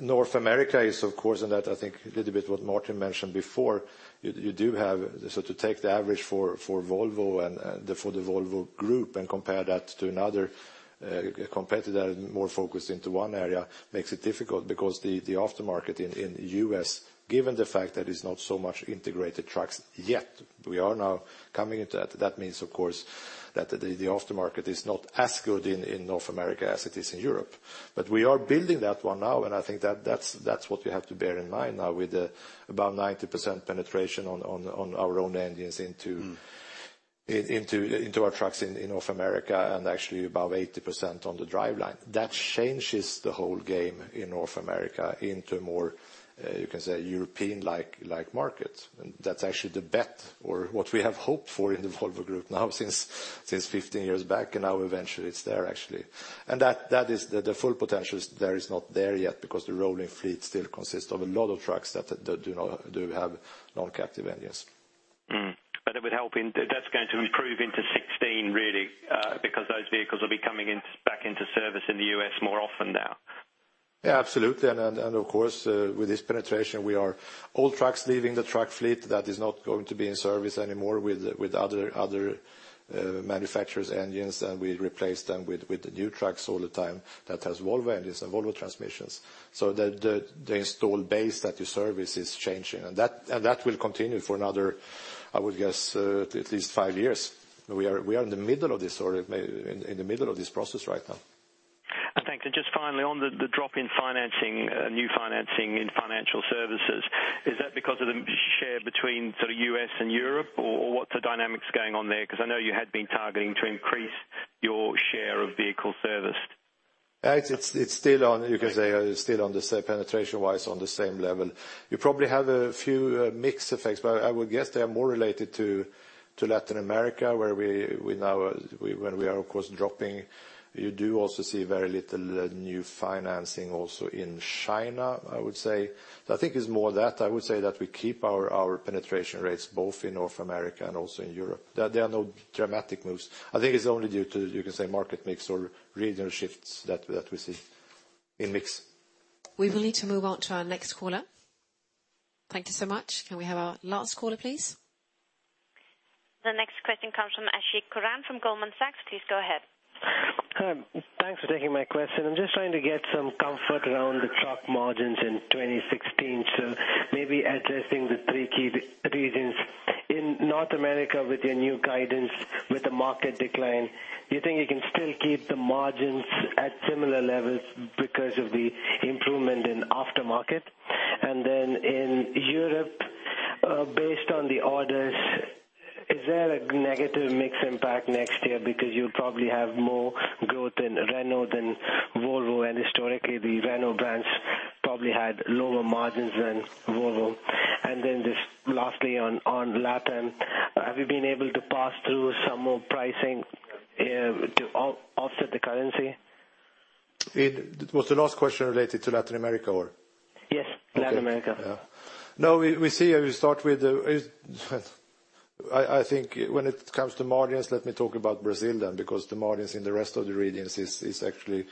North America is, of course, and that I think a little bit what Martin mentioned before, you do have, to take the average for Volvo and for the Volvo Group and compare that to another competitor more focused into one area makes it difficult because the aftermarket in U.S., given the fact that it's not so much integrated trucks yet. We are now coming into that. That means, of course, that the aftermarket is not as good in North America as it is in Europe. We are building that one now, and I think that's what we have to bear in mind now with about 90% penetration on our own engines into our trucks in North America and actually above 80% on the driveline. That changes the whole game in North America into a more, you can say, European-like market. That's actually the bet or what we have hoped for in the Volvo Group now since 15 years back, and now eventually it's there actually. The full potential there is not there yet because the rolling fleet still consists of a lot of trucks that do have non-captive engines. That's going to improve into 2016, really, because those vehicles will be coming back into service in the U.S. more often now. Absolutely. Of course, with this penetration, all trucks leaving the truck fleet that is not going to be in service anymore with other manufacturer's engines, and we replace them with the new trucks all the time that has Volvo engines and Volvo transmissions. The install base that you service is changing, and that will continue for another, I would guess, at least five years. We are in the middle of this process right now. Just finally, on the drop in new financing in financial services, is that because of the share between U.S. and Europe, or what's the dynamics going on there? I know you had been targeting to increase your share of vehicle serviced. You can say it is still, penetration-wise, on the same level. You probably have a few mix effects, but I would guess they are more related to Latin America, where we are, of course, dropping. You do also see very little new financing also in China, I would say. I think it's more that. I would say that we keep our penetration rates both in North America and also in Europe. There are no dramatic moves. I think it's only due to, you can say, market mix or regional shifts that we see in mix. We will need to move on to our next caller. Thank you so much. Can we have our last caller, please? The next question comes from Ashik Musaddi from Goldman Sachs. Please go ahead. Hi. Thanks for taking my question. I'm just trying to get some comfort around the truck margins in 2016, so maybe addressing the three key regions. In North America, with your new guidance, with the market decline, do you think you can still keep the margins at similar levels because of the improvement in aftermarket? In Europe, based on the orders, is there a negative mix impact next year? Because you'll probably have more growth in Renault than Volvo, and historically the Renault brands probably had lower margins than Volvo. Just lastly on Latin, have you been able to pass through some more pricing to offset the currency? Was the last question related to Latin America or? Yes, Latin America. Okay. Yeah. I think when it comes to margins, let me talk about Brazil then, because the margins in the rest of the regions is actually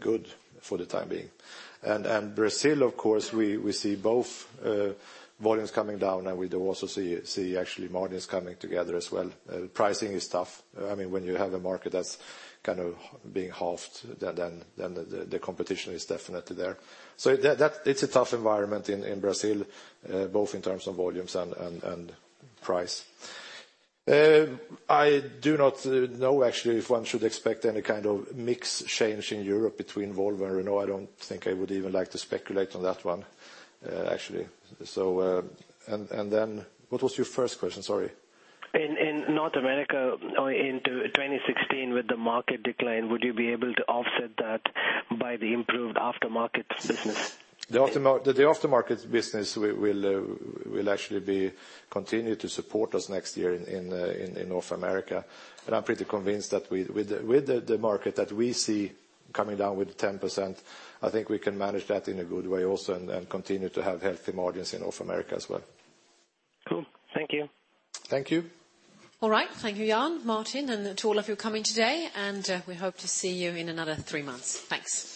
good for the time being. Brazil, of course, we see both volumes coming down, and we do also see actually margins coming together as well. Pricing is tough. When you have a market that's kind of being halved, then the competition is definitely there. It's a tough environment in Brazil, both in terms of volumes and price. I do not know actually if one should expect any kind of mix change in Europe between Volvo and Renault. I don't think I would even like to speculate on that one, actually. What was your first question? Sorry. In North America, into 2016 with the market decline, would you be able to offset that by the improved aftermarket business? The aftermarket business will actually continue to support us next year in North America. I'm pretty convinced that with the market that we see coming down with 10%, I think we can manage that in a good way also and continue to have healthy margins in North America as well. Cool. Thank you. Thank you. All right. Thank you, Jan, Martin, and to all of you coming today, and we hope to see you in another three months. Thanks.